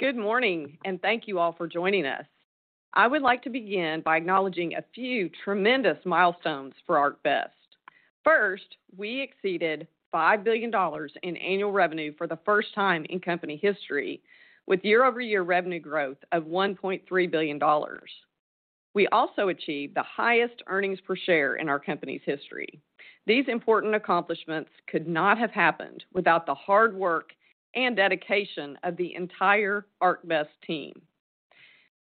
Good morning, thank you all for joining us. I would like to begin by acknowledging a few tremendous milestones for ArcBest. First, we exceeded $5 billion in annual revenue for the first time in company history, with year-over-year revenue growth of $1.3 billion. We also achieved the highest earnings per share in our company's history. These important accomplishments could not have happened without the hard work and dedication of the entire ArcBest team.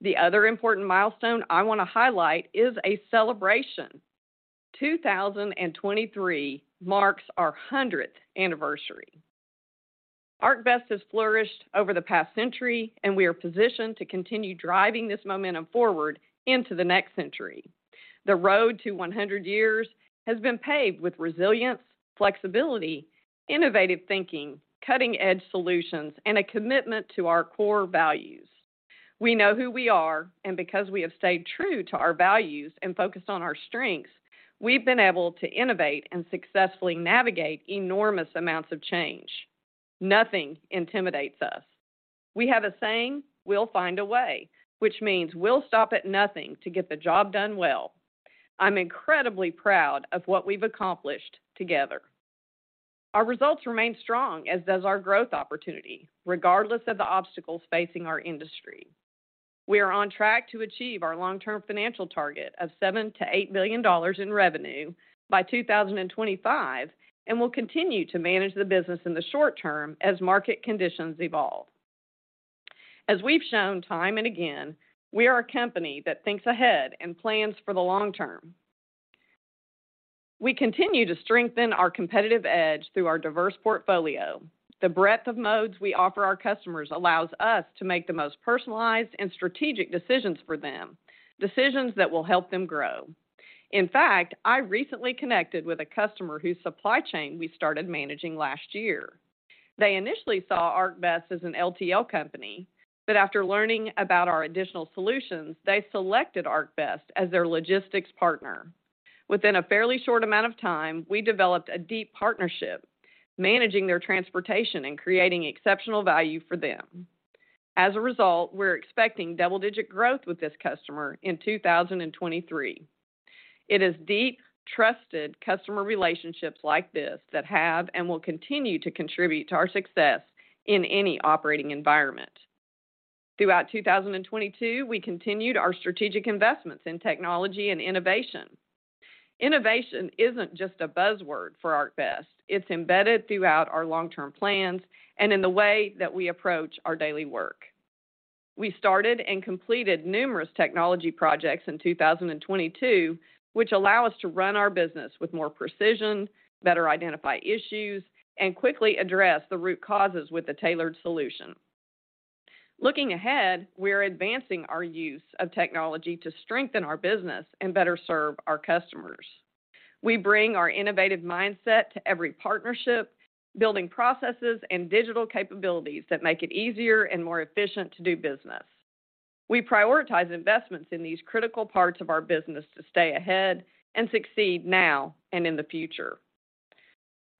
The other important milestone I want to highlight is a celebration. 2023 marks our 100th anniversary. ArcBest has flourished over the past century, and we are positioned to continue driving this momentum forward into the next century. The road to 100 years has been paved with resilience, flexibility, innovative thinking, cutting-edge solutions, and a commitment to our core values. Because we have stayed true to our values and focused on our strengths, we've been able to innovate and successfully navigate enormous amounts of change. Nothing intimidates us. We have a saying, "We'll find a way," which means we'll stop at nothing to get the job done well. I'm incredibly proud of what we've accomplished together. Our results remain strong, as does our growth opportunity, regardless of the obstacles facing our industry. We are on track to achieve our long-term financial target of $7 billion-$8 billion in revenue by 2025 and will continue to manage the business in the short term as market conditions evolve. As we've shown time and again, we are a company that thinks ahead and plans for the long term. We continue to strengthen our competitive edge through our diverse portfolio. The breadth of modes we offer our customers allows us to make the most personalized and strategic decisions for them, decisions that will help them grow. In fact, I recently connected with a customer whose supply chain we started managing last year. They initially saw ArcBest as an LTL company, but after learning about our additional solutions, they selected ArcBest as their logistics partner. Within a fairly short amount of time, we developed a deep partnership, managing their transportation and creating exceptional value for them. As a result, we're expecting double-digit growth with this customer in 2023. It is deep, trusted customer relationships like this that have and will continue to contribute to our success in any operating environment. Throughout 2022, we continued our strategic investments in technology and innovation. Innovation isn't just a buzzword for ArcBest. It's embedded throughout our long-term plans and in the way that we approach our daily work. We started and completed numerous technology projects in 2022, which allow us to run our business with more precision, better identify issues, and quickly address the root causes with a tailored solution. Looking ahead, we're advancing our use of technology to strengthen our business and better serve our customers. We bring our innovative mindset to every partnership, building processes and digital capabilities that make it easier and more efficient to do business. We prioritize investments in these critical parts of our business to stay ahead and succeed now and in the future.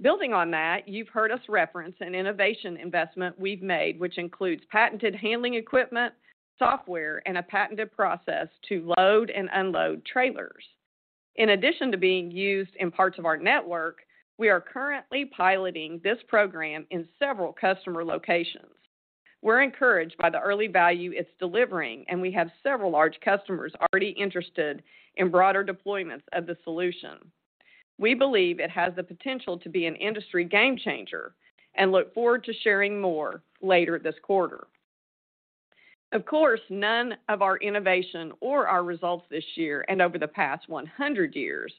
Building on that, you've heard us reference an innovation investment we've made, which includes patented handling equipment, software, and a patented process to load and unload trailers. In addition to being used in parts of our network, we are currently piloting this program in several customer locations. We're encouraged by the early value it's delivering, and we have several large customers already interested in broader deployments of the solution. We believe it has the potential to be an industry game changer and look forward to sharing more later this quarter. Of course, none of our innovation or our results this year and over the past 100 years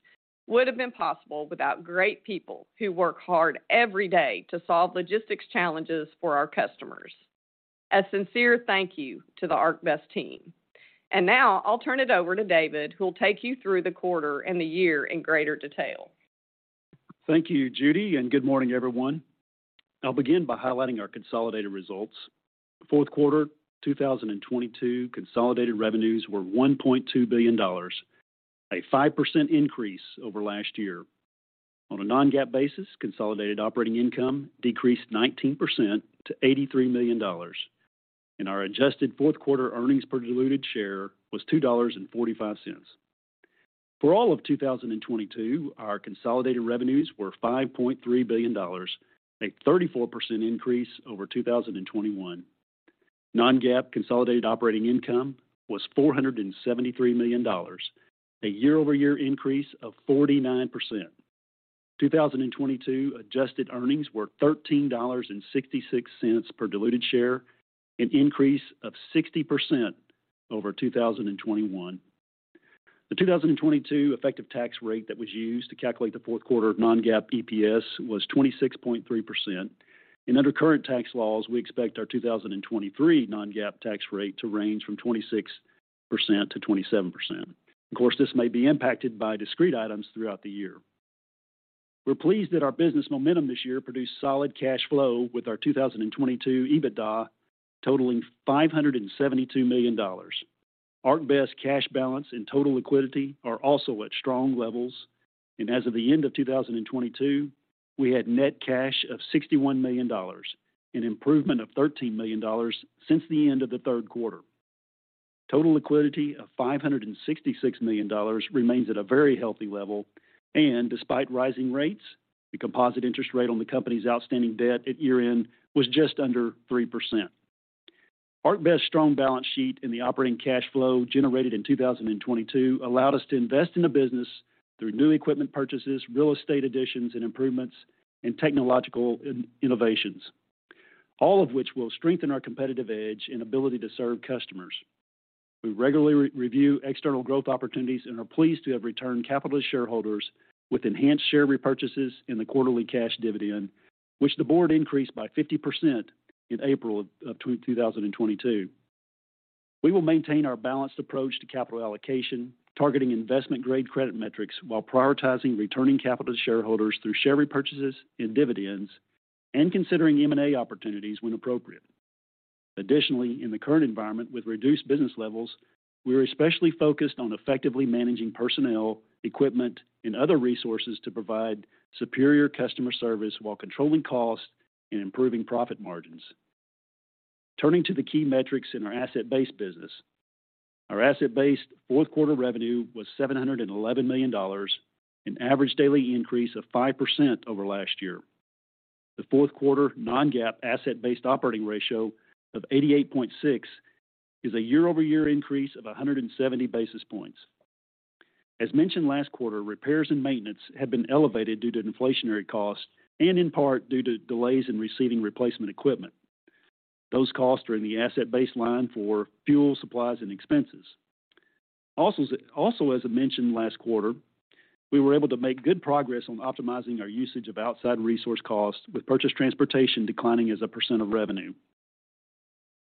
would have been possible without great people who work hard every day to solve logistics challenges for our customers. A sincere thank you to the ArcBest team. Now I'll turn it over to David, who will take you through the quarter and the year in greater detail. Thank you, Judy, and good morning, everyone. I'll begin by highlighting our consolidated results. Fourth quarter 2022 consolidated revenues were $1.2 billion, a 5% increase over last year. On a non-GAAP basis, consolidated operating income decreased 19% to $83 million, and our adjusted fourth-quarter earnings per diluted share was $2.45. For all of 2022, our consolidated revenues were $5.3 billion, a 34% increase over 2021. Non-GAAP consolidated operating income was $473 million, a year-over-year increase of 49%. 2022 adjusted earnings were $13.66 per diluted share, an increase of 60% over 2021. The 2022 effective tax rate that was used to calculate the fourth quarter non-GAAP EPS was 26.3%. Under current tax laws, we expect our 2023 non-GAAP tax rate to range from 26%-27%. Of course, this may be impacted by discrete items throughout the year. We're pleased that our business momentum this year produced solid cash flow with our 2022 EBITDA totaling $572 million. ArcBest cash balance and total liquidity are also at strong levels. As of the end of 2022, we had net cash of $61 million, an improvement of $13 million since the end of the third quarter. Total liquidity of $566 million remains at a very healthy level, and despite rising rates, the composite interest rate on the company's outstanding debt at year-end was just under 3%. ArcBest strong balance sheet and the operating cash flow generated in 2022 allowed us to invest in the business through new equipment purchases, real estate additions and improvements, and technological innovations, all of which will strengthen our competitive edge and ability to serve customers. We regularly review external growth opportunities and are pleased to have returned capital to shareholders with enhanced share repurchases in the quarterly cash dividend, which the board increased by 50% in April of 2022. We will maintain our balanced approach to capital allocation, targeting investment-grade credit metrics while prioritizing returning capital to shareholders through share repurchases and dividends and considering M&A opportunities when appropriate. In the current environment with reduced business levels, we are especially focused on effectively managing personnel, equipment, and other resources to provide superior customer service while controlling costs and improving profit margins. Turning to the key metrics in our asset-based business. Our asset-based fourth quarter revenue was $711 million, an average daily increase of 5% over last year. The fourth quarter non-GAAP asset-based operating ratio of 88.6 is a year-over-year increase of 170 basis points. As mentioned last quarter, repairs and maintenance have been elevated due to inflationary costs and in part due to delays in receiving replacement equipment. Those costs are in the asset baseline for fuel, supplies, and expenses. Also as I mentioned last quarter, we were able to make good progress on optimizing our usage of outside resource costs with purchased transportation declining as a % of revenue.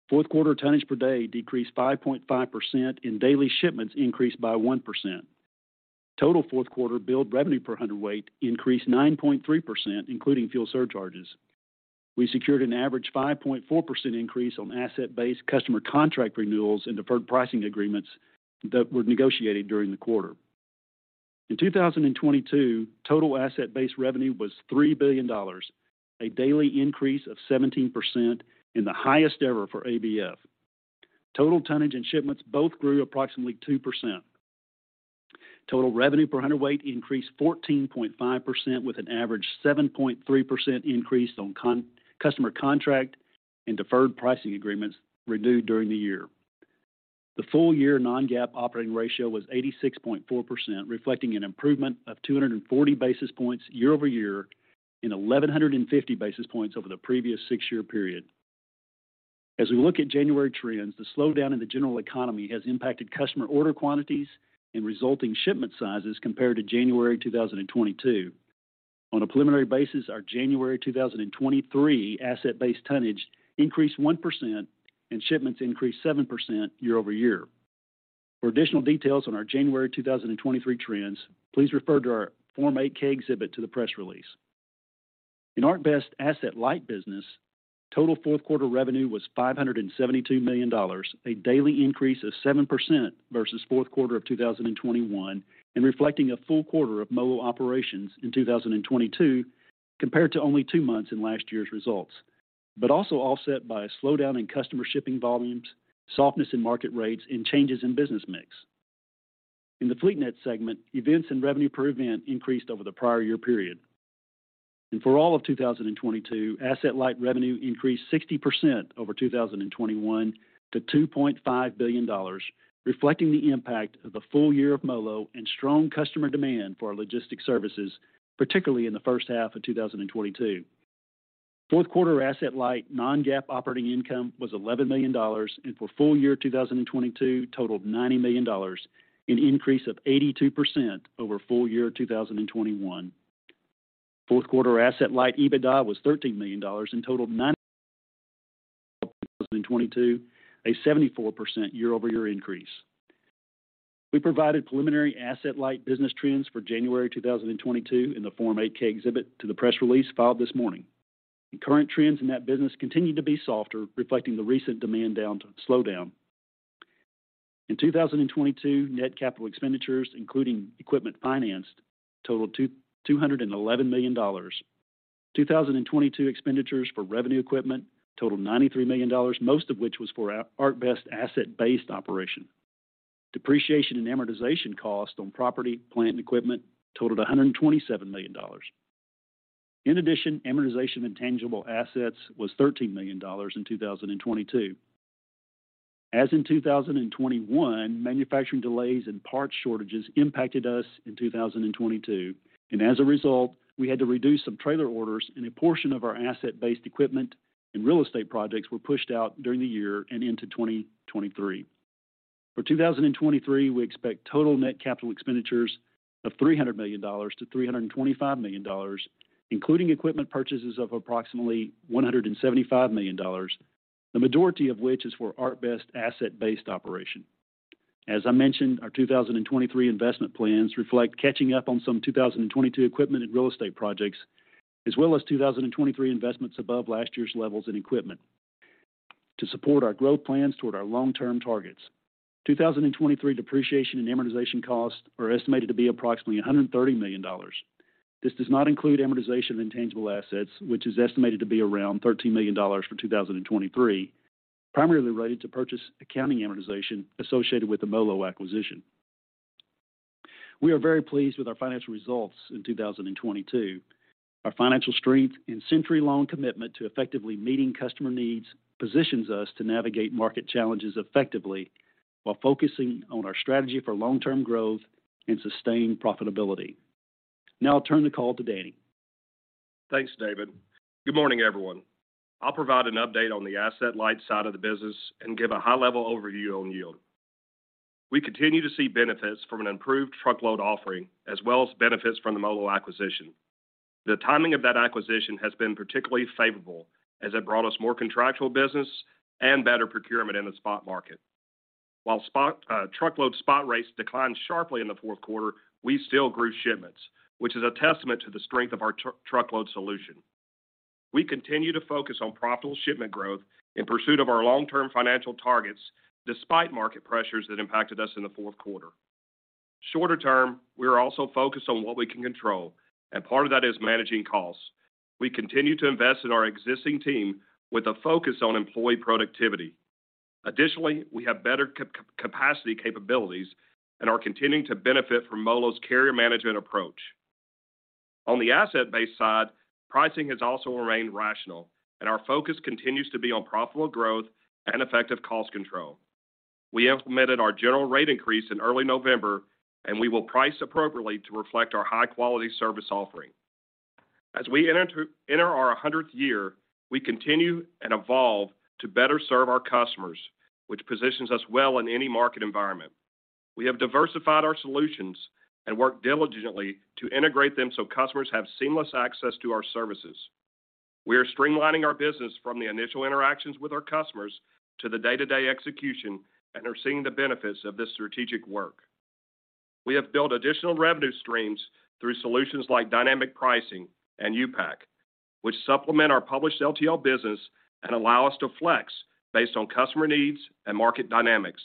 Fourth quarter tonnage per day decreased 5.5% and daily shipments increased by 1%. Total fourth quarter billed revenue per hundredweight increased 9.3%, including fuel surcharges. We secured an average 5.4% increase on asset-based customer contract renewals and deferred pricing agreements that were negotiated during the quarter. In 2022, total asset-based revenue was $3 billion, a daily increase of 17% and the highest ever for ABF. Total tonnage and shipments both grew approximately 2%. Total revenue per hundredweight increased 14.5% with an average 7.3% increase on customer contract and deferred pricing agreements renewed during the year. The full year non-GAAP operating ratio was 86.4%, reflecting an improvement of 240 basis points year-over-year and 1,150 basis points over the previous six-year period. As we look at January trends, the slowdown in the general economy has impacted customer order quantities and resulting shipment sizes compared to January 2022. On a preliminary basis, our January 2023 asset-based tonnage increased 1% and shipments increased 7% year-over-year. For additional details on our January 2023 trends, please refer to our Form 8-K exhibit to the press release. In ArcBest asset-light business, total fourth quarter revenue was $572 million, a daily increase of 7% versus fourth quarter of 2021, and reflecting a full quarter of MoLo operations in 2022 compared to only two months in last year's results. Also offset by a slowdown in customer shipping volumes, softness in market rates, and changes in business mix. In the FleetNet segment, events and revenue per event increased over the prior year period. For all of 2022, asset-light revenue increased 60% over 2021 to $2.5 billion, reflecting the impact of the full year of MoLo and strong customer demand for our logistics services, particularly in the first half of 2022. Fourth quarter asset light non-GAAP operating income was $11 million, for full year 2022 totaled $90 million, an increase of 82% over full year 2021. Fourth quarter asset light EBITDA was $13 million and totaled $90 million in 2022, a 74% year-over-year increase. We provided preliminary asset light business trends for January 2022 in the Form 8-K exhibit to the press release filed this morning. The current trends in that business continue to be softer, reflecting the recent demand down to the slowdown. In 2022, net capital expenditures, including equipment financed, totaled $211 million. 2022 expenditures for revenue equipment totaled $93 million, most of which was for our ArcBest asset-based operation. Depreciation and amortization costs on property, plant, and equipment totaled $127 million. In addition, amortization of intangible assets was $13 million in 2022. As in 2021, manufacturing delays and parts shortages impacted us in 2022. As a result, we had to reduce some trailer orders, and a portion of our asset-based equipment and real estate projects were pushed out during the year and into 2023. For 2023, we expect total net capital expenditures of $300 million-$325 million, including equipment purchases of approximately $175 million, the majority of which is for ArcBest asset-based operation. As I mentioned, our 2023 investment plans reflect catching up on some 2022 equipment and real estate projects. 2023 investments above last year's levels in equipment to support our growth plans toward our long-term targets. 2023 depreciation and amortization costs are estimated to be approximately $130 million. This does not include amortization of intangible assets, which is estimated to be around $13 million for 2023, primarily related to purchase accounting amortization associated with the MoLo acquisition. We are very pleased with our financial results in 2022. Our financial strength and century-long commitment to effectively meeting customer needs positions us to navigate market challenges effectively while focusing on our strategy for long-term growth and sustained profitability. I'll turn the call to Danny. Thanks, David. Good morning, everyone. I'll provide an update on the asset-light side of the business and give a high-level overview on yield. We continue to see benefits from an improved truckload offering as well as benefits from the MoLo acquisition. The timing of that acquisition has been particularly favorable as it brought us more contractual business and better procurement in the spot market. While spot truckload spot rates declined sharply in the fourth quarter, we still grew shipments, which is a testament to the strength of our truckload solution. We continue to focus on profitable shipment growth in pursuit of our long-term financial targets despite market pressures that impacted us in the fourth quarter. Shorter term, we are also focused on what we can control, and part of that is managing costs. We continue to invest in our existing team with a focus on employee productivity. Additionally, we have better capacity capabilities and are continuing to benefit from MoLo's carrier management approach. On the asset-based side, pricing has also remained rational, and our focus continues to be on profitable growth and effective cost control. We implemented our general rate increase in early November, and we will price appropriately to reflect our high-quality service offering. As we enter our 100th year, we continue and evolve to better serve our customers, which positions us well in any market environment. We have diversified our solutions and work diligently to integrate them so customers have seamless access to our services. We are streamlining our business from the initial interactions with our customers to the day-to-day execution and are seeing the benefits of this strategic work. We have built additional revenue streams through solutions like dynamic pricing and U-Pack, which supplement our published LTL business and allow us to flex based on customer needs and market dynamics.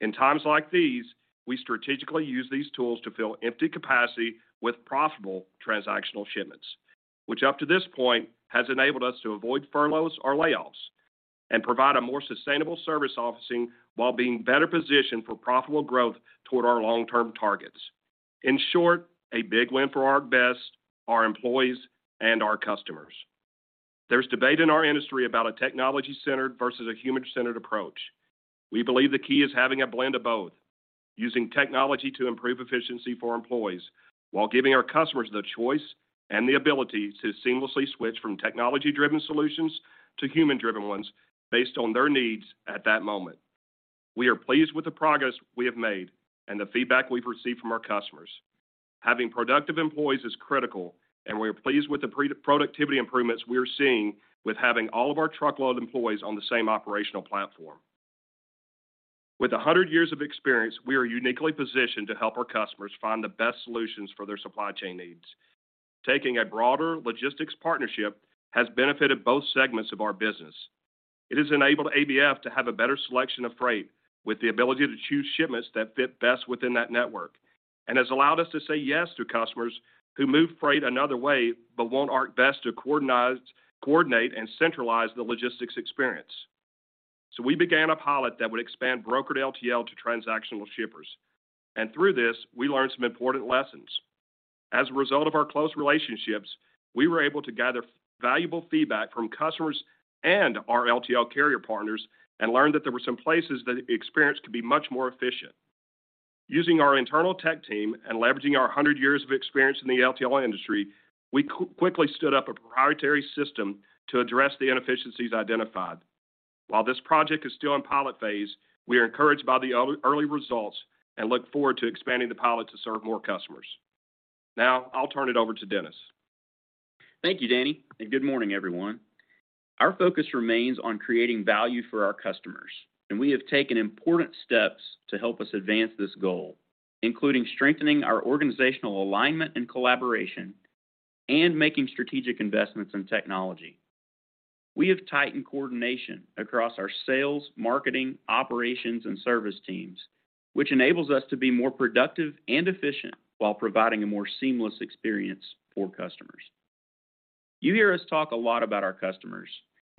In times like these, we strategically use these tools to fill empty capacity with profitable transactional shipments, which up to this point has enabled us to avoid furloughs or layoffs and provide a more sustainable service offering while being better positioned for profitable growth toward our long-term targets. In short, a big win for ArcBest, our employees, and our customers. There's debate in our industry about a technology-centered versus a human-centered approach. We believe the key is having a blend of both, using technology to improve efficiency for employees while giving our customers the choice and the ability to seamlessly switch from technology-driven solutions to human-driven ones based on their needs at that moment. We are pleased with the progress we have made and the feedback we've received from our customers. Having productive employees is critical, and we are pleased with the productivity improvements we are seeing with having all of our truckload employees on the same operational platform. With 100 years of experience, we are uniquely positioned to help our customers find the best solutions for their supply chain needs. Taking a broader logistics partnership has benefited both segments of our business. It has enabled ABF to have a better selection of freight with the ability to choose shipments that fit best within that network and has allowed us to say yes to customers who move freight another way but want our best to coordinate and centralize the logistics experience. We began a pilot that would expand brokered LTL to transactional shippers. Through this, we learned some important lessons. As a result of our close relationships, we were able to gather valuable feedback from customers and our LTL carrier partners and learned that there were some places that the experience could be much more efficient. Using our internal tech team and leveraging our 100 years of experience in the LTL industry, we quickly stood up a proprietary system to address the inefficiencies identified. While this project is still in pilot phase, we are encouraged by the early results and look forward to expanding the pilot to serve more customers. Now, I'll turn it over to Dennis. Thank you, Danny, and good morning, everyone. Our focus remains on creating value for our customers, and we have taken important steps to help us advance this goal, including strengthening our organizational alignment and collaboration and making strategic investments in technology. We have tightened coordination across our sales, marketing, operations, and service teams, which enables us to be more productive and efficient while providing a more seamless experience for customers. You hear us talk a lot about our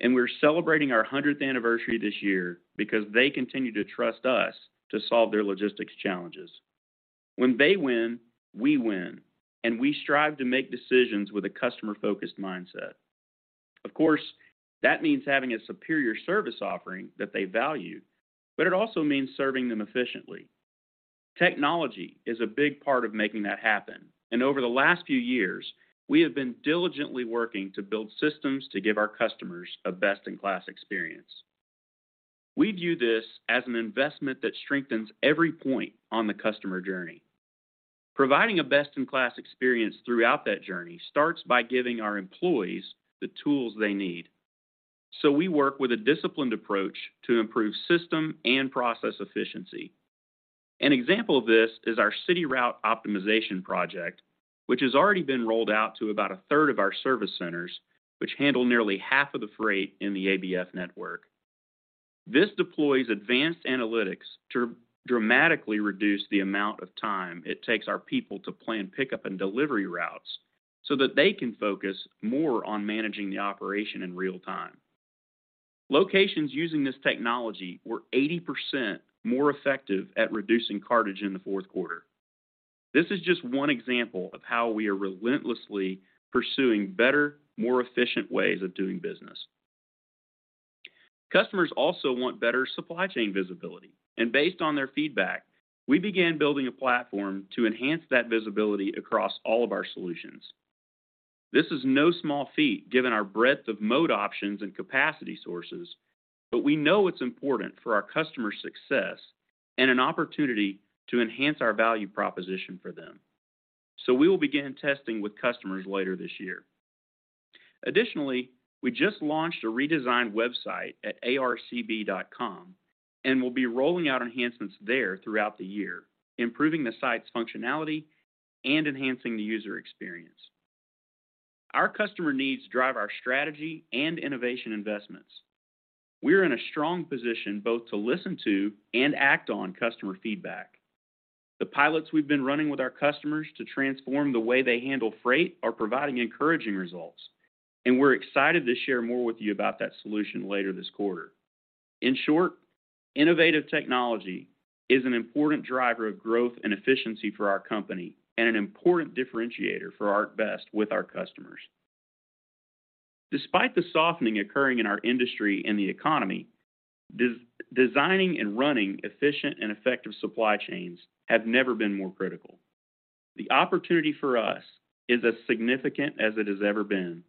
customers, and we're celebrating our 100th anniversary this year because they continue to trust us to solve their logistics challenges. When they win, we win, and we strive to make decisions with a customer-focused mindset. Of course, that means having a superior service offering that they value, but it also means serving them efficiently. Technology is a big part of making that happen, and over the last few years, we have been diligently working to build systems to give our customers a best-in-class experience. We view this as an investment that strengthens every point on the customer journey. Providing a best-in-class experience throughout that journey starts by giving our employees the tools they need. We work with a disciplined approach to improve system and process efficiency. An example of this is our city route optimization project, which has already been rolled out to about a third of our service centers, which handle nearly half of the freight in the ABF Network. This deploys advanced analytics to dramatically reduce the amount of time it takes our people to plan pickup and delivery routes so that they can focus more on managing the operation in real time. Locations using this technology were 80% more effective at reducing cartage in the fourth quarter. This is just one example of how we are relentlessly pursuing better, more efficient ways of doing business. Customers also want better supply chain visibility. Based on their feedback, we began building a platform to enhance that visibility across all of our solutions. This is no small feat given our breadth of mode options and capacity sources, but we know it's important for our customers' success and an opportunity to enhance our value proposition for them. We will begin testing with customers later this year. Additionally, we just launched a redesigned website at arcb.com and we'll be rolling out enhancements there throughout the year, improving the site's functionality and enhancing the user experience. Our customer needs drive our strategy and innovation investments. We're in a strong position both to listen to and act on customer feedback. The pilots we've been running with our customers to transform the way they handle freight are providing encouraging results, and we're excited to share more with you about that solution later this quarter. In short, innovative technology is an important driver of growth and efficiency for our company and an important differentiator for ArcBest with our customers. Despite the softening occurring in our industry and the economy, designing and running efficient and effective supply chains have never been more critical. The opportunity for us is as significant as it has ever been.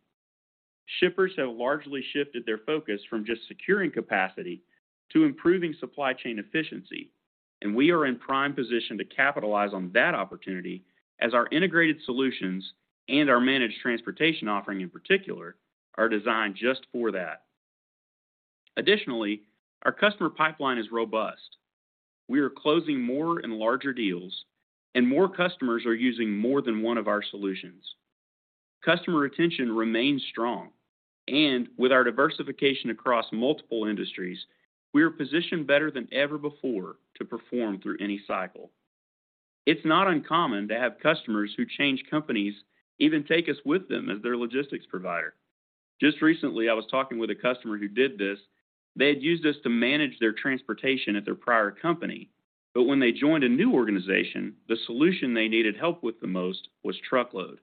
Shippers have largely shifted their focus from just securing capacity to improving supply chain efficiency, we are in prime position to capitalize on that opportunity as our integrated solutions and our managed transportation offering in particular, are designed just for that. Additionally, our customer pipeline is robust. We are closing more and larger deals, and more customers are using more than one of our solutions. Customer retention remains strong, and with our diversification across multiple industries, we are positioned better than ever before to perform through any cycle. It's not uncommon to have customers who change companies even take us with them as their logistics provider. Just recently, I was talking with a customer who did this. They had used us to manage their transportation at their prior company. When they joined a new organization, the solution they needed help with the most was truckload.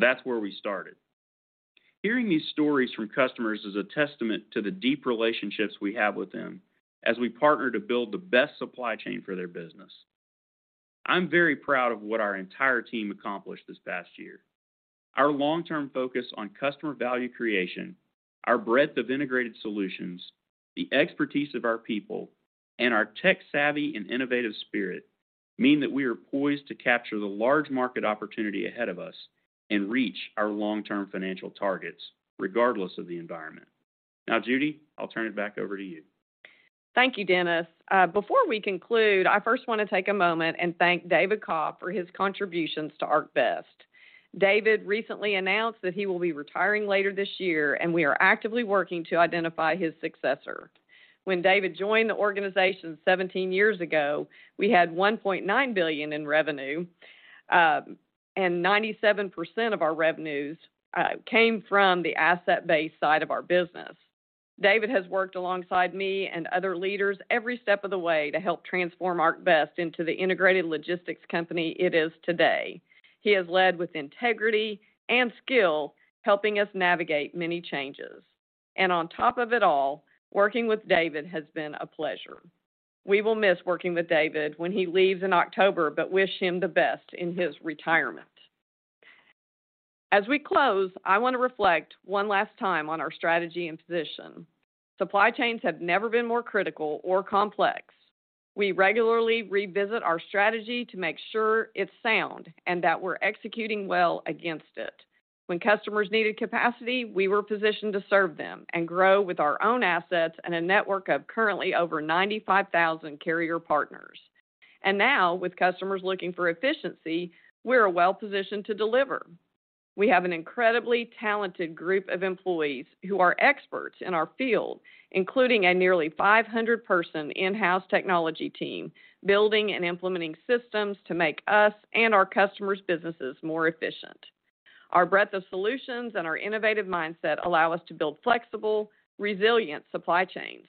That's where we started. Hearing these stories from customers is a testament to the deep relationships we have with them as we partner to build the best supply chain for their business. I'm very proud of what our entire team accomplished this past year. Our long-term focus on customer value creation, our breadth of integrated solutions, the expertise of our people, and our tech-savvy and innovative spirit mean that we are poised to capture the large market opportunity ahead of us and reach our long-term financial targets regardless of the environment. Now, Judy, I'll turn it back over to you. Thank you, Dennis. Before we conclude, I first want to take a moment and thank David Cobb for his contributions to ArcBest. David recently announced that he will be retiring later this year. We are actively working to identify his successor. When David joined the organization 17 years ago, we had $1.9 billion in revenue, and 97% of our revenues came from the asset-based side of our business. David has worked alongside me and other leaders every step of the way to help transform ArcBest into the integrated logistics company it is today. He has led with integrity and skill, helping us navigate many changes. On top of it all, working with David has been a pleasure. We will miss working with David when he leaves in October. We wish him the best in his retirement. As we close, I want to reflect one last time on our strategy and position. Supply chains have never been more critical or complex. We regularly revisit our strategy to make sure it's sound and that we're executing well against it. When customers needed capacity, we were positioned to serve them and grow with our own assets and a network of currently over 95,000 carrier partners. Now, with customers looking for efficiency, we're well-positioned to deliver. We have an incredibly talented group of employees who are experts in our field, including a nearly 500 person in-house technology team, building and implementing systems to make us and our customers' businesses more efficient. Our breadth of solutions and our innovative mindset allow us to build flexible, resilient supply chains.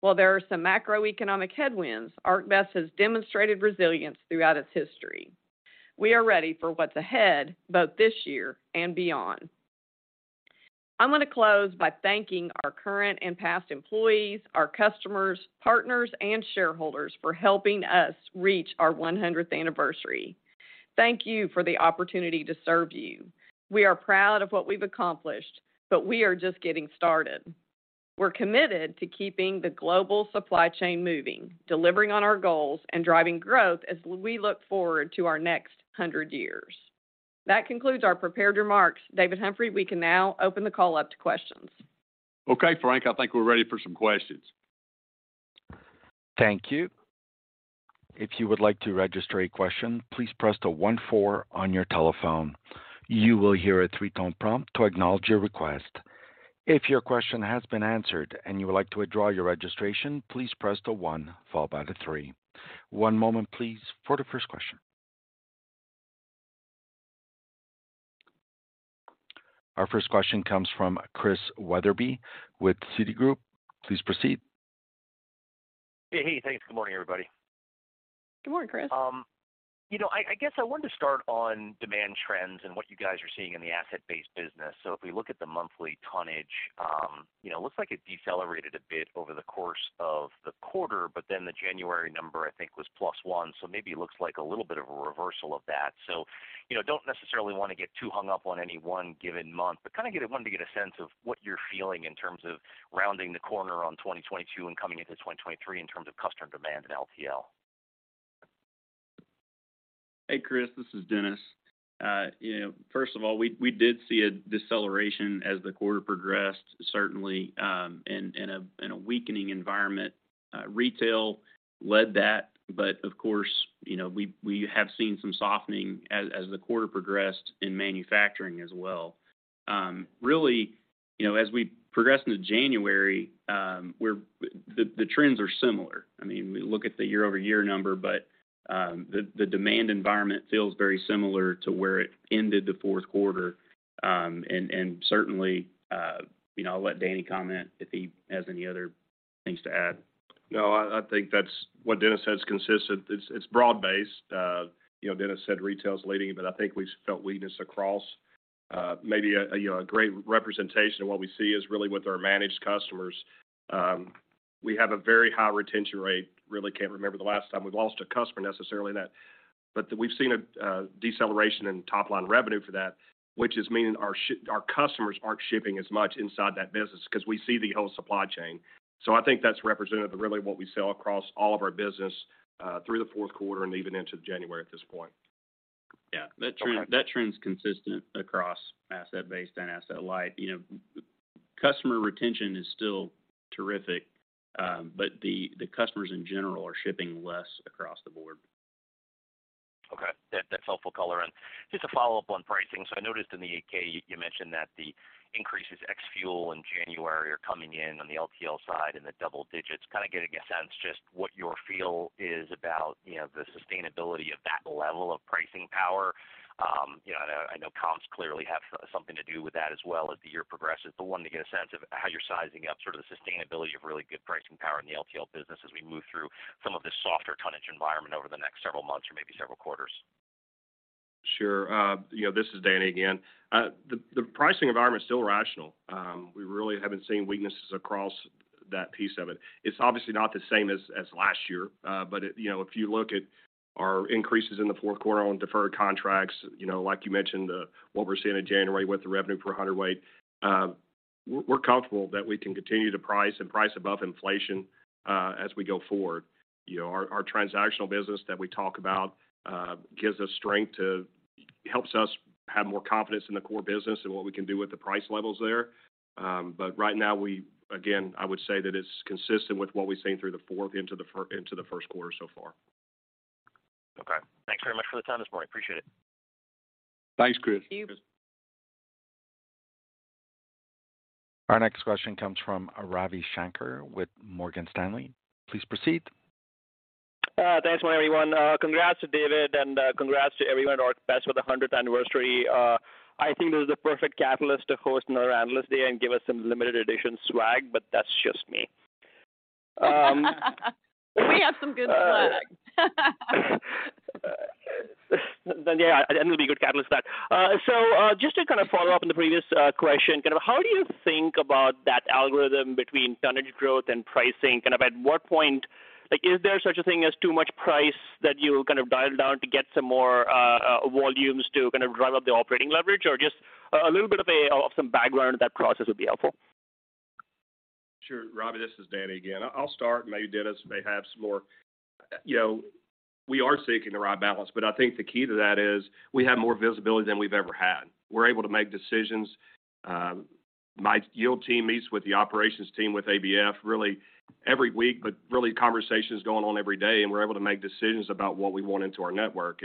While there are some macroeconomic headwinds, ArcBest has demonstrated resilience throughout its history. We are ready for what's ahead, both this year and beyond. I want to close by thanking our current and past employees, our customers, partners, and shareholders for helping us reach our 100th anniversary. Thank you for the opportunity to serve you. We are proud of what we've accomplished, but we are just getting started. We're committed to keeping the global supply chain moving, delivering on our goals, and driving growth as we look forward to our next hundred years. That concludes our prepared remarks. David Humphrey, we can now open the call up to questions. Okay, Frank, I think we're ready for some questions. Thank you. If you would like to register a question, please press the one four on your telephone. You will hear a three-tone prompt to acknowledge your request. If your question has been answered and you would like to withdraw your registration, please press the one followed by the three. One moment please for the first question. Our first question comes from Chris Wetherbee with Citigroup. Please proceed. Hey. Hey, thanks. Good morning, everybody. Good morning, Chris. You know, I guess I wanted to start on demand trends and what you guys are seeing in the asset-based business. If we look at the monthly tonnage, you know, looks like it decelerated a bit over the course of the quarter, but then the January number I think was Plus One, so maybe it looks like a little bit of a reversal of that. You know, don't necessarily want to get too hung up on any one given month, but wanted to get a sense of what you're feeling in terms of rounding the corner on 2022 and coming into 2023 in terms of customer demand and LTL. Hey, Chris, this is Dennis. You know, first of all, we did see a deceleration as the quarter progressed, certainly, in a weakening environment. Retail led that. Of course, you know, we have seen some softening as the quarter progressed in manufacturing as well. Really, you know, as we progress into January, the trends are similar. I mean, we look at the year-over-year number, the demand environment feels very similar to where it ended the fourth quarter. Certainly, you know, I'll let Danny comment if he has any other things to add. I think that's. What Dennis said is consistent. It's broad-based. You know, Dennis said retail is leading it, but I think we felt weakness across. Maybe a, you know, a great representation of what we see is really with our managed customers. We have a very high retention rate. Really can't remember the last time we've lost a customer necessarily that. We've seen a deceleration in top-line revenue for that, which is meaning our customers aren't shipping as much inside that business because we see the whole supply chain. I think that's representative of really what we sell across all of our business through the fourth quarter and even into January at this point. Yeah. That trend, that trend's consistent across asset-based and asset-light. You know, customer retention is still terrific, but the customers in general are shipping less across the board. Okay. That's helpful color. Just a follow-up on pricing. I noticed in the 8-K you mentioned that the increases ex fuel in January are coming in on the LTL side in the double digits. Kind of getting a sense just what your feel is about, you know, the sustainability of that level of pricing power. you know, I know comps clearly have something to do with that as well as the year progresses, wanted to get a sense of how you're sizing up sort of the sustainability of really good pricing power in the LTL business as we move through some of this softer tonnage environment over the next several months or maybe several quarters. Sure. You know, this is Danny again. The pricing environment is still rational. We really haven't seen weaknesses across that piece of it. It's obviously not the same as last year. You know, if you look at our increases in the fourth quarter on deferred contracts, you know, like you mentioned, what we're seeing in January with the revenue per hundredweight, we're comfortable that we can continue to price and price above inflation as we go forward. You know, our transactional business that we talk about, gives us strength to helps us have more confidence in the core business and what we can do with the price levels there. Right now again, I would say that it's consistent with what we've seen through the fourth into the first quarter so far. Okay. Thanks very much for the time this morning. Appreciate it. Thanks, Chris. Thank you. Our next question comes from Ravi Shanker with Morgan Stanley. Please proceed. Thanks morning, everyone. Congrats to David, and congrats to everyone at ArcBest for the hundredth anniversary. I think this is the perfect catalyst to host another Analyst Day and give us some Limited Edition Swag, but that's just me. We have some good swag. Yeah, that will be a good catalyst for that. Just to kind of follow up on the previous question, kind of how do you think about that algorithm between Tonnage Growth and Pricing? Kind of at what point, like, is there such a thing as too much price that you kind of dial down to get some more volumes to kind of drive up the operating leverage? Or just a little bit of some background of that process would be helpful. Sure, Ravi, this is Danny again. I'll start, and maybe Dennis may have some more. You know, we are seeking the right balance, but I think the key to that is we have more visibility than we've ever had. We're able to make decisions. My yield team meets with the operations team with ABF really every week, but really conversation is going on every day, and we're able to make decisions about what we want into our network.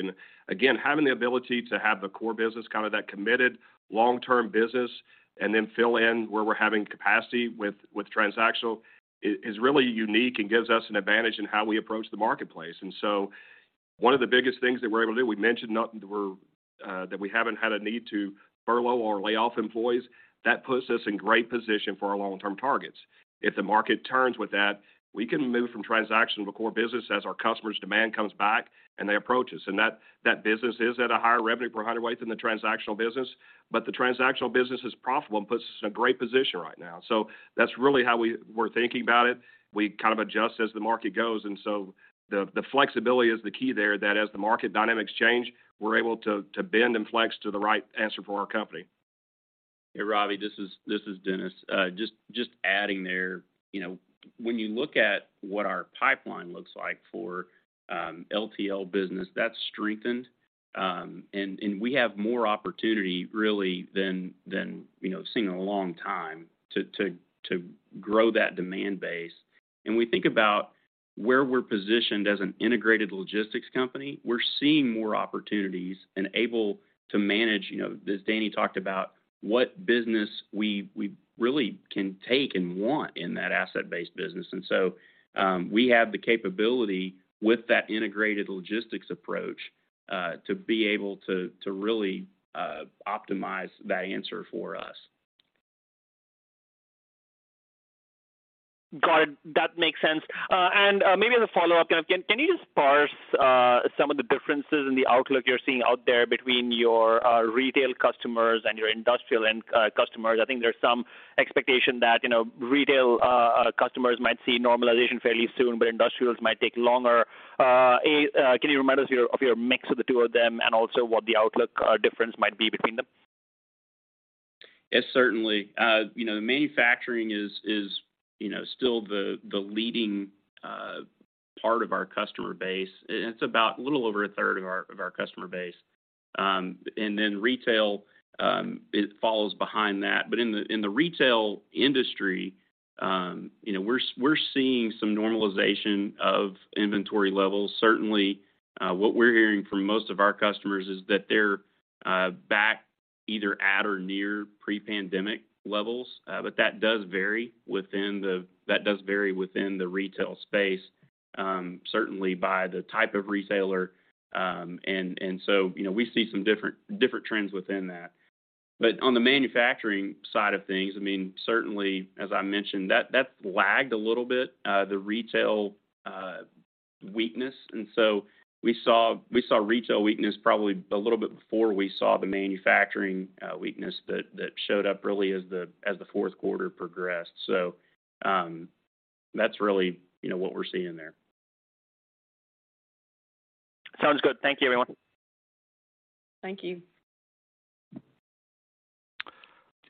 Again, having the ability to have the core business, kind of that committed long-term business, and then fill in where we're having capacity with transactional is really unique and gives us an advantage in how we approach the marketplace. One of the biggest things that we're able to do, we mentioned that we haven't had a need to furlough or lay off employees. That puts us in great position for our long-term targets. If the market turns with that, we can move from transactional to core business as our customers' demand comes back and they approach us. That business is at a higher revenue per hundredweight than the transactional business, but the transactional business is profitable and puts us in a great position right now. That's really how we're thinking about it. We kind of adjust as the market goes, the flexibility is the key there, that as the market dynamics change, we're able to bend and flex to the right answer for our company. Hey, Ravi, this is Dennis. Just adding there. You know, when you look at what our pipeline looks like for LTL business, that's strengthened. We have more opportunity really than, you know, seeing a long time to grow that demand base. We think about where we're positioned as an integrated logistics company. We're seeing more opportunities and able to manage, you know, as Danny talked about, what business we really can take and want in that Asset-Based Business. We have the capability with that integrated logistics approach to be able to really optimize that answer for us. Got it. That makes sense. Maybe as a follow-up, can you just parse some of the differences in the outlook you're seeing out there between your retail customers and your industrial end customers? I think there's some expectation that, you know, retail customers might see normalization fairly soon, but industrials might take longer. Can you remind us of your mix of the two of them and also what the outlook difference might be between them? Yes, certainly. you know, the manufacturing is, you know, still the leading part of our customer base. It's about a little over a third of our, of our customer base. Then retail, it follows behind that. In the, in the retail industry, you know, we're seeing some normalization of inventory levels. Certainly, what we're hearing from most of our customers is that they're back either at or near pre-pandemic levels. That does vary within the retail space, certainly by the type of retailer. So, you know, we see some different trends within that. On the manufacturing side of things, I mean, certainly, as I mentioned, that lagged a little bit, the retail weakness. we saw retail weakness probably a little bit before we saw the manufacturing weakness that showed up really as the fourth quarter progressed. That's really, you know, what we're seeing there. Sounds good. Thank you, everyone. Thank you.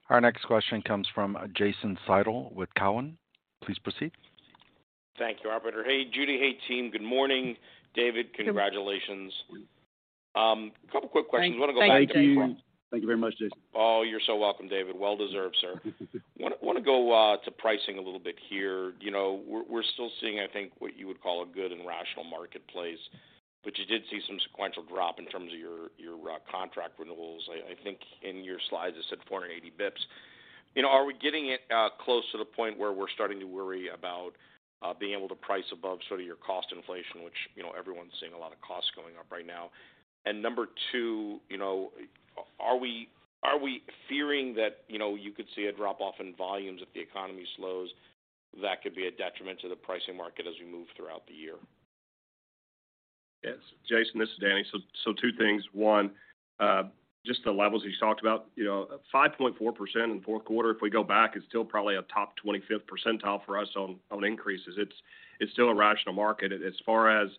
Our next question comes from Jason Seidl with Cowen. Please proceed. Thank you, operator. Hey, Judy. Hey, team. Good morning, David. Congratulations. A couple quick questions. Thanks. Wanna go back to. Thank you. Thank you very much, Jason. You're so welcome, David. Well deserved, sir. Wanna go to pricing a little bit here. You know, we're still seeing, I think, what you would call a good and rational marketplace, but you did see some sequential drop in terms of your contract renewals. I think in your slides, it said 480 basis points. You know, are we getting close to the point where we're starting to worry about being able to price above sort of your cost inflation, which, you know, everyone's seeing a lot of costs going up right now. Number two, you know, are we fearing that, you know, you could see a drop-off in volumes if the economy slows, that could be a detriment to the pricing market as we move throughout the year? Yes. Jason, this is Danny. Two things. One, just the levels you talked about. You know, 5.4% in the fourth quarter, if we go back, is still probably a top twenty-fifth percentile for us on increases. It's still a rational market. As far as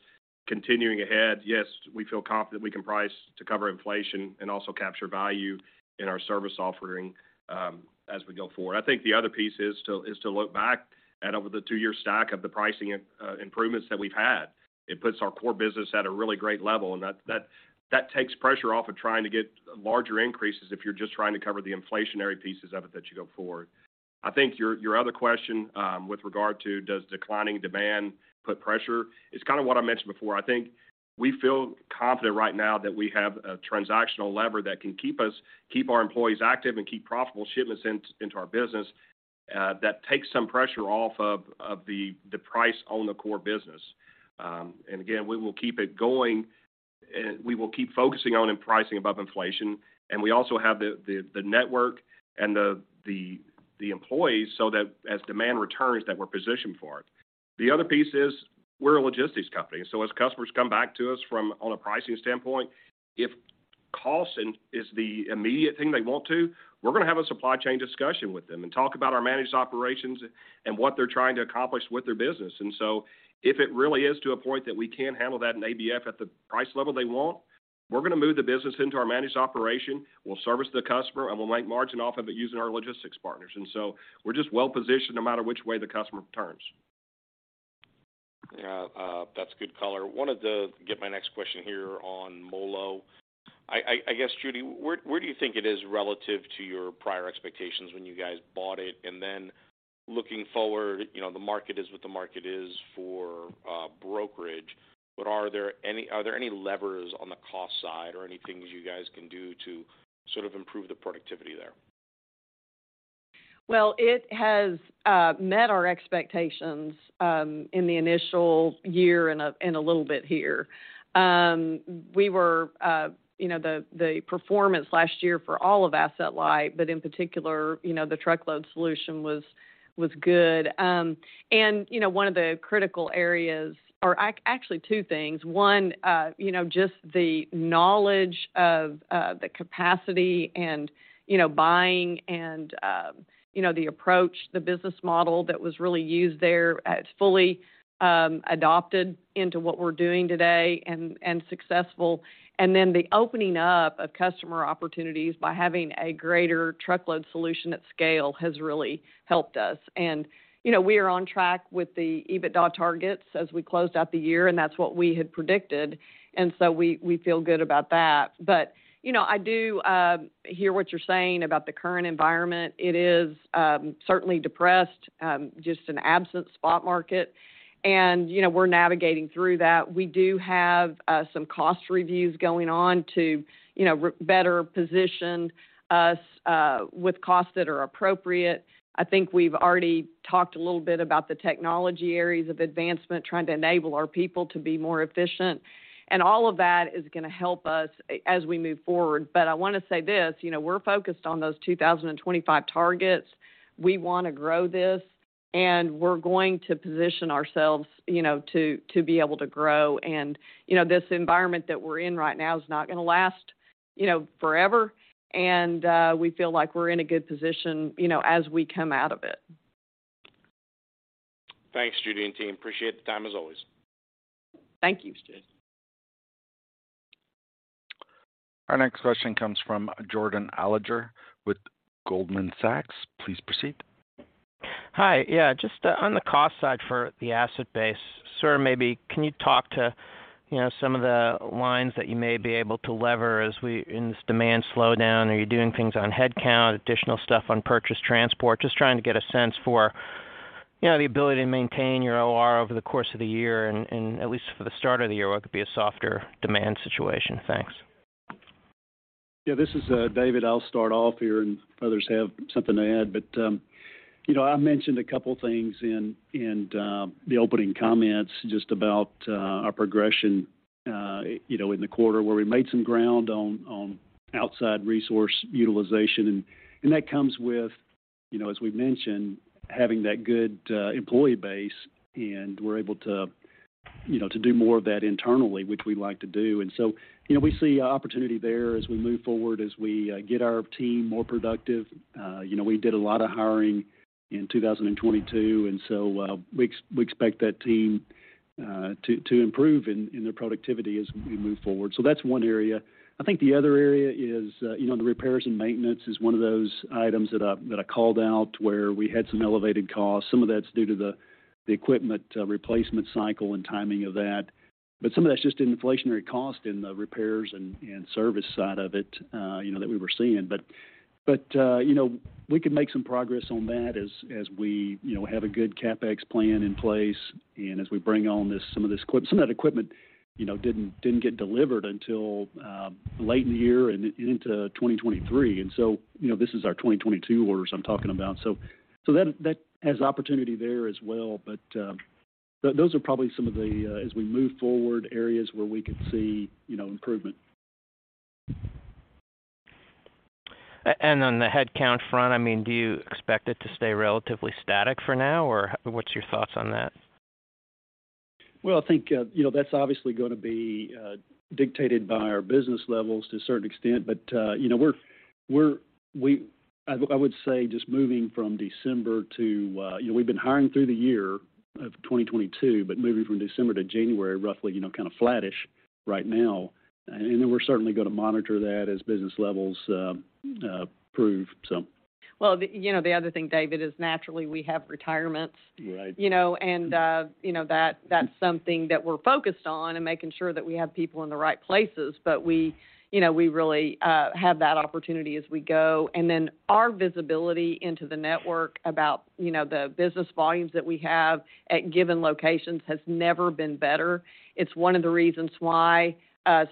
continuing ahead, yes, we feel confident we can price to cover inflation and also capture value in our service offering as we go forward. I think the other piece is to look back at over the two-year stack of the pricing improvements that we've had. It puts our core business at a really great level, and that takes pressure off of trying to get larger increases if you're just trying to cover the inflationary pieces of it that you go forward. I think your other question, with regard to does declining demand put pressure is kind of what I mentioned before. I think we feel confident right now that we have a transactional lever that can keep us, keep our employees active and keep profitable shipments in, into our business, that takes some pressure off of the price on the core business. Again, we will keep it going. We will keep focusing on and pricing above inflation. We also have the network and the employees so that as demand returns, that we're positioned for it. The other piece is we're a logistics company, as customers come back to us from on a pricing standpoint, if cost is the immediate thing they want to, we're gonna have a supply chain discussion with them and talk about our managed operations and what they're trying to accomplish with their business. If it really is to a point that we can't handle that in ABF at the price level they want, we're gonna move the business into our managed operation. We'll service the customer, and we'll make margin off of it using our logistics partners. We're just well-positioned no matter which way the customer turns. Yeah. That's good color. Wanted to get my next question here on MoLo. I guess, Judy, where do you think it is relative to your prior expectations when you guys bought it? Looking forward, you know, the market is what the market is for brokerage, but are there any levers on the cost side or any things you guys can do to sort of improve the productivity there? It has met our expectations in the initial year and a little bit here. We were, you know, the performance last year for all of Asset-Light, but in particular, you know, the truckload solution was good. You know, one of the critical areas or actually two things. One, you know, just the knowledge of the capacity and, you know, buying and, you know, the approach, the business model that was really used there, fully adopted into what we're doing today and successful. The opening up of customer opportunities by having a greater truckload solution at scale has really helped us. You know, we are on track with the EBITDA targets as we closed out the year, and that's what we had predicted. We feel good about that. You know, I do hear what you're saying about the current environment. It is certainly depressed, just an absent spot market. You know, we're navigating through that. We do have some cost reviews going on to, you know, better position us with costs that are appropriate. I think we've already talked a little bit about the technology areas of advancement, trying to enable our people to be more efficient. All of that is gonna help us as we move forward. I want to say this, you know, we're focused on those 2025 targets. We want to grow this, and we're going to position ourselves, you know, to be able to grow. You know, this environment that we're in right now is not going to last, you know, forever. we feel like we're in a good position, you know, as we come out of it. Thanks, Judy and team. Appreciate the time as always. Thank you. Our next question comes from Jordan Alliger with Goldman Sachs. Please proceed. Hi. Yeah, just on the cost side for the asset base, sir, maybe can you talk to, you know, some of the lines that you may be able to lever in this demand slowdown? Are you doing things on headcount, additional stuff on purchase transport? Just trying to get a sense for, you know, the ability to maintain your OR over the course of the year and at least for the start of the year, what could be a softer demand situation. Thanks. Yeah. This is David. I'll start off here, and others have something to add. You know, I mentioned a couple things in the opening comments just about our progression, you know, in the quarter where we made some ground on outside resource utilization. That comes with, you know, as we've mentioned, having that good employee base, and we're able to, you know, to do more of that internally, which we like to do. We see opportunity there as we move forward, as we get our team more productive. You know, we did a lot of hiring in 2022, and we expect that team to improve in their productivity as we move forward. That's one area. I think the other area is, you know, the repairs and maintenance is one of those items that I called out where we had some elevated costs. Some of that's due to the equipment replacement cycle and timing of that. Some of that's just an inflationary cost in the repairs and service side of it, you know, that we were seeing. We could make some progress on that as we, you know, have a good CapEx plan in place and as we bring on this, Some of that equipment, you know, didn't get delivered until late in the year and into 2023. You know, this is our 2022 orders I'm talking about. That has opportunity there as well. Those are probably some of the as we move forward, areas where we could see, you know, improvement. On the headcount front, I mean, do you expect it to stay relatively static for now, or what's your thoughts on that? Well, I think, you know, that's obviously gonna be dictated by our business levels to a certain extent. You know, I would say just moving from December to you know, we've been hiring through the year of 2022, but moving from December to January, roughly, you know, kind of flattish right now. We're certainly going to monitor that as business levels improve. Well, the, you know, the other thing, David, is naturally we have retirements. Right. You know, you know, that's something that we're focused on and making sure that we have people in the right places. We, you know, we really have that opportunity as we go. Our visibility into the network about, you know, the business volumes that we have at given locations has never been better. It's one of the reasons why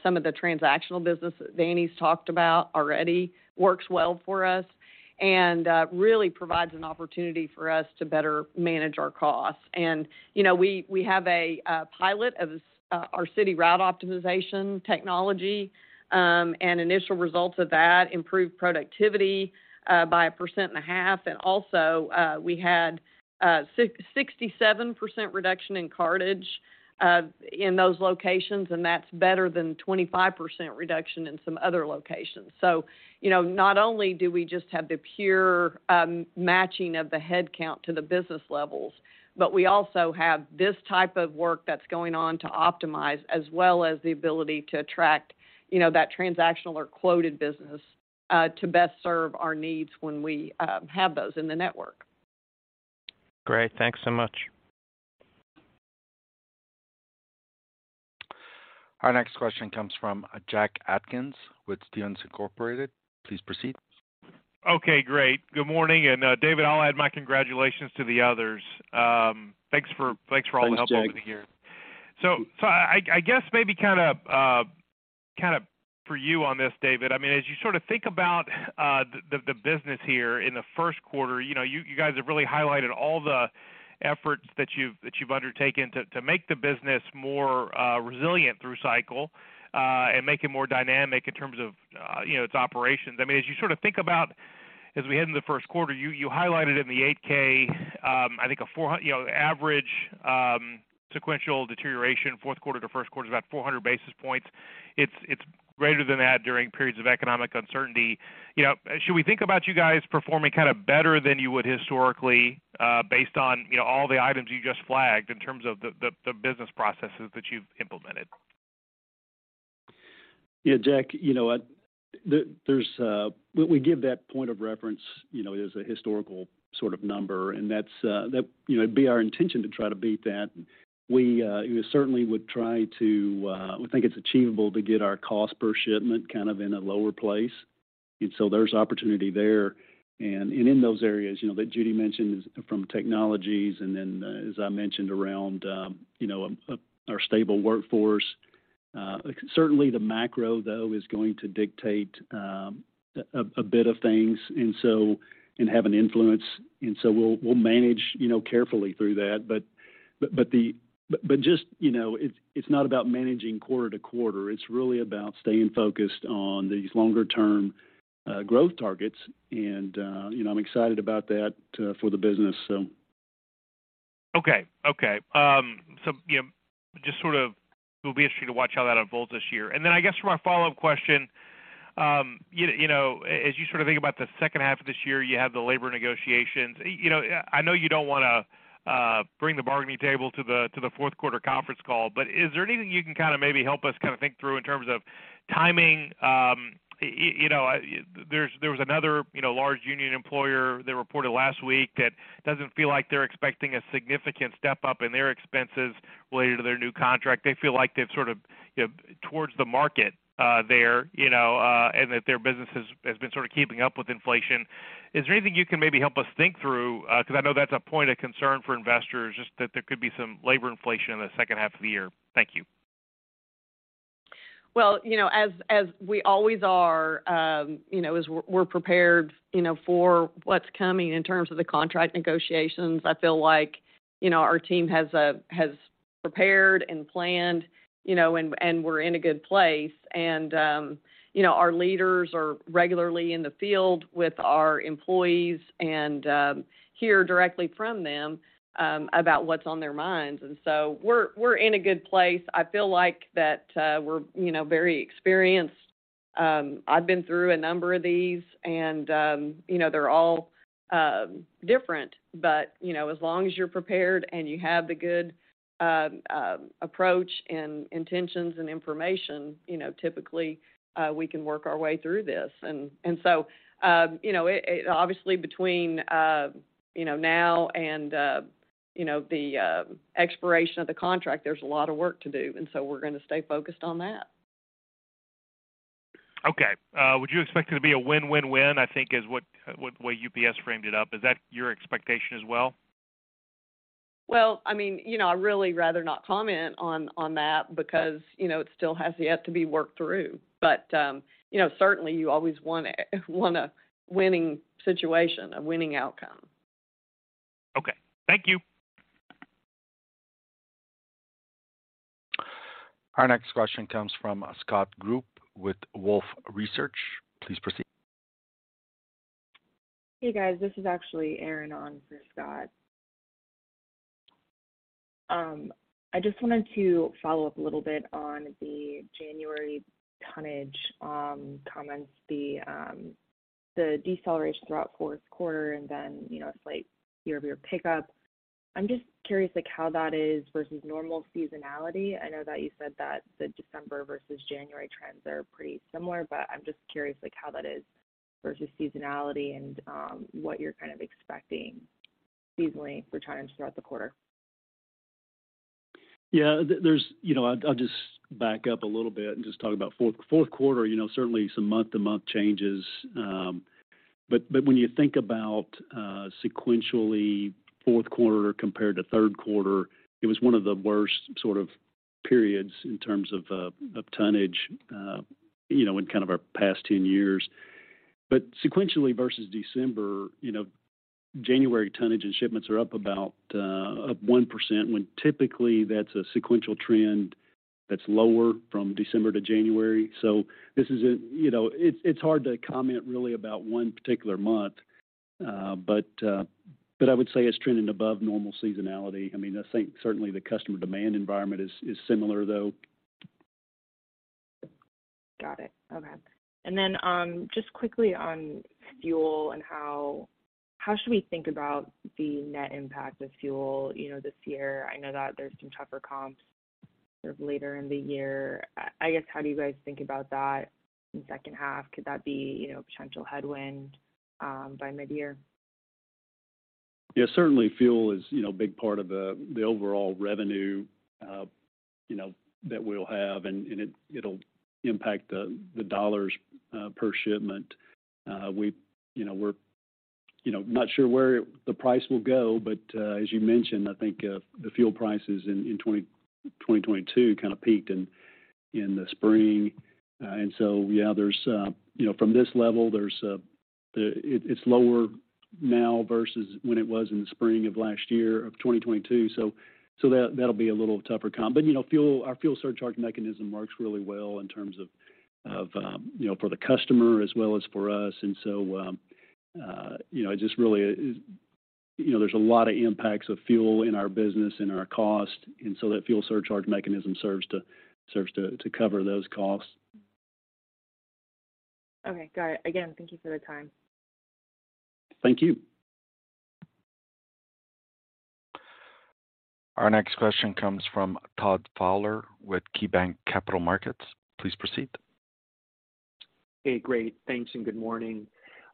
some of the transactional business that Danny's talked about already works well for us and really provides an opportunity for us to better manage our costs. You know, we have a pilot of our city route optimization technology, and initial results of that improved productivity by 1.5%. Also, we had 67% reduction in cartage in those locations, and that's better than 25% reduction in some other locations. You know, not only do we just have the pure matching of the headcount to the business levels, but we also have this type of work that's going on to optimize, as well as the ability to attract, you know, that transactional or quoted business to best serve our needs when we have those in the network. Great. Thanks so much. Our next question comes from Jack Atkins with Stephens Inc. Please proceed. Okay, great. Good morning. David, I'll add my congratulations to the others. Thanks for all the help. Thanks, Jack. Over the years. I guess maybe kind of for you on this, David, I mean, as you sort of think about the business here in the first quarter, you know, you guys have really highlighted all the efforts that you've undertaken to make the business more resilient through cycle and make it more dynamic in terms of, you know, its operations. I mean, as you sort of think about as we head into the first quarter, you highlighted in the 8-K, I think a you know, average sequential deterioration, fourth quarter to first quarter is about 400 basis points. It's greater than that during periods of economic uncertainty. You know, should we think about you guys performing kind of better than you would historically, based on, you know, all the items you just flagged in terms of the, the business processes that you've implemented? Yeah, Jack, you know what? There's, we give that point of reference, you know, as a historical sort of number, and that's, you know, it'd be our intention to try to beat that. We certainly would try to, we think it's achievable to get our cost per shipment kind of in a lower place. There's opportunity there. In those areas, you know, that Judy mentioned from technologies, and then as I mentioned around, you know, our stable workforce. Certainly the macro, though, is going to dictate a bit of things and have an influence. We'll manage, you know, carefully through that. Just, you know, it's not about managing quarter to quarter. It's really about staying focused on these longer-term growth targets. You know, I'm excited about that, for the business. Okay, okay. You know, just sort of it'll be interesting to watch how that unfolds this year. I guess for my follow-up question, you know, as you sort of think about the second half of this year, you have the labor negotiations. You know, I know you don't wanna bring the bargaining table to the fourth quarter conference call, but is there anything you can kind of maybe help us kind of think through in terms of timing? You know, there was another, you know, large union employer that reported last week that doesn't feel like they're expecting a significant step up in their expenses related to their new contract. They feel like they've sort of, you know, towards the market, there, you know, and that their business has been sort of keeping up with inflation. Is there anything you can maybe help us think through? I know that's a point of concern for investors, just that there could be some labor inflation in the second half of the year. Thank you. Well, you know, as we always are, you know, as we're prepared, you know, for what's coming in terms of the contract negotiations, I feel like, you know, our team has prepared and planned, you know, and we're in a good place. Our leaders are regularly in the field with our employees and hear directly from them about what's on their minds. We're in a good place. I feel like that we're, you know, very experienced. I've been through a number of these and, you know, they're all different. As long as you're prepared and you have the good approach and intentions and information, you know, typically, we can work our way through this. You know, it obviously between, you know, now and, you know, the expiration of the contract, there's a lot of work to do, and so we're gonna stay focused on that. Okay. Would you expect it to be a win-win-win, I think is what way UPS framed it up. Is that your expectation as well? Well, I mean, you know, I really rather not comment on that because, you know, it still has yet to be worked through. Certainly you always want a winning situation, a winning outcome. Okay. Thank you. Our next question comes from Scott Group with Wolfe Research. Please proceed. Hey, guys, this is actually Erin on for Scott. I just wanted to follow up a little bit on the January tonnage comments, the deceleration throughout fourth quarter and then, you know, a slight year-over-year pickup. I'm just curious like how that is versus normal seasonality. I know that you said that the December versus January trends are pretty similar, but I'm just curious like how that is versus seasonality and what you're kind of expecting seasonally for trends throughout the quarter. Yeah. You know, I'll just back up a little bit and just talk about Fourth. Fourth quarter, you know, certainly some month-to-month changes. When you think about sequentially Fourth quarter compared to Third quarter, it was one of the worst sort of periods in terms of tonnage, you know, in kind of our past 10 years. Sequentially versus December, you know, January tonnage and shipments are up about 1%, when typically that's a sequential trend that's lower from December to January. This is a, you know, It's hard to comment really about one particular month, but I would say it's trending above normal seasonality. I mean, I think certainly the customer demand environment is similar, though. Got it. Okay. Just quickly on fuel and how should we think about the net impact of fuel, you know, this year? I know that there's some tougher comps sort of later in the year. I guess, how do you guys think about that in second half? Could that be, you know, a potential headwind by mid-year? Yeah, certainly fuel is, you know, a big part of the overall revenue, you know, that we'll have, and it'll impact the dollars per shipment. You know, not sure where the price will go, as you mentioned, I think, the fuel prices in 2022 kind of peaked in the spring. Yeah, you know, from this level, it's lower now versus when it was in the spring of last year, of 2022. That'll be a little tougher comp. You know, fuel, our fuel surcharge mechanism works really well in terms of, you know, for the customer as well as for us. You know, it just really is, you know, there's a lot of impacts of fuel in our business and our cost, and so that fuel surcharge mechanism serves to cover those costs. Okay. Got it. Again, thank you for the time. Thank you. Our next question comes from Todd Fowler with KeyBanc Capital Markets. Please proceed. Hey, great. Thanks. Good morning.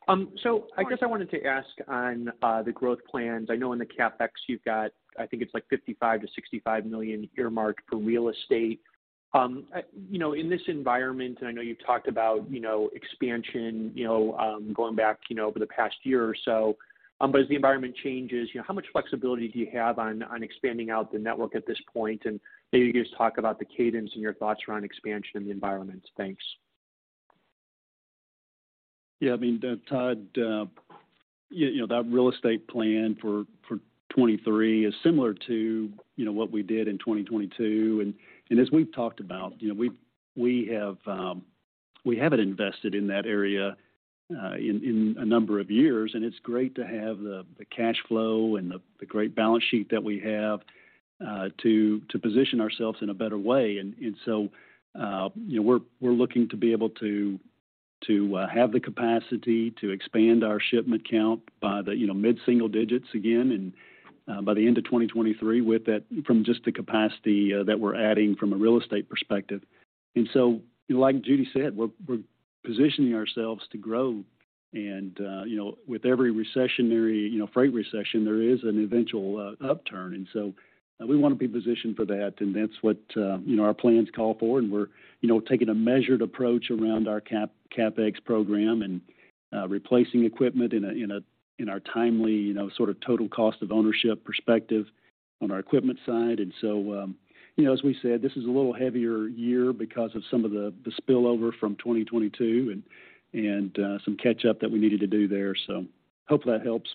I guess I wanted to ask on the growth plans. I know in the CapEx you've got, I think it's like $55 million-$65 million earmarked for real estate. You know, in this environment, I know you've talked about, you know, expansion, you know, going back, you know, over the past year or so. As the environment changes, you know, how much flexibility do you have on expanding out the network at this point? Maybe just talk about the cadence and your thoughts around expansion in the environment. Thanks. Yeah, I mean, Todd, you know, that real estate plan for 2023 is similar to, you know, what we did in 2022. As we've talked about, you know, we haven't invested in that area in a number of years, and it's great to have the cash flow and the great balance sheet that we have to position ourselves in a better way. You know, we're looking to be able to have the capacity to expand our shipment count by the, you know, mid-single digits again by the end of 2023 with that from just the capacity that we're adding from a real estate perspective. Like Judy said, we're positioning ourselves to grow. you know, with every recessionary, you know, freight recession, there is an eventual upturn. We wanna be positioned for that. That's what, you know, our plans call for, and we're, you know, taking a measured approach around our CapEx program and replacing equipment in our timely, you know, sort of total cost of ownership perspective on our equipment side. you know, as we said, this is a little heavier year because of some of the spillover from 2022 and some catch-up that we needed to do there. Hope that helps.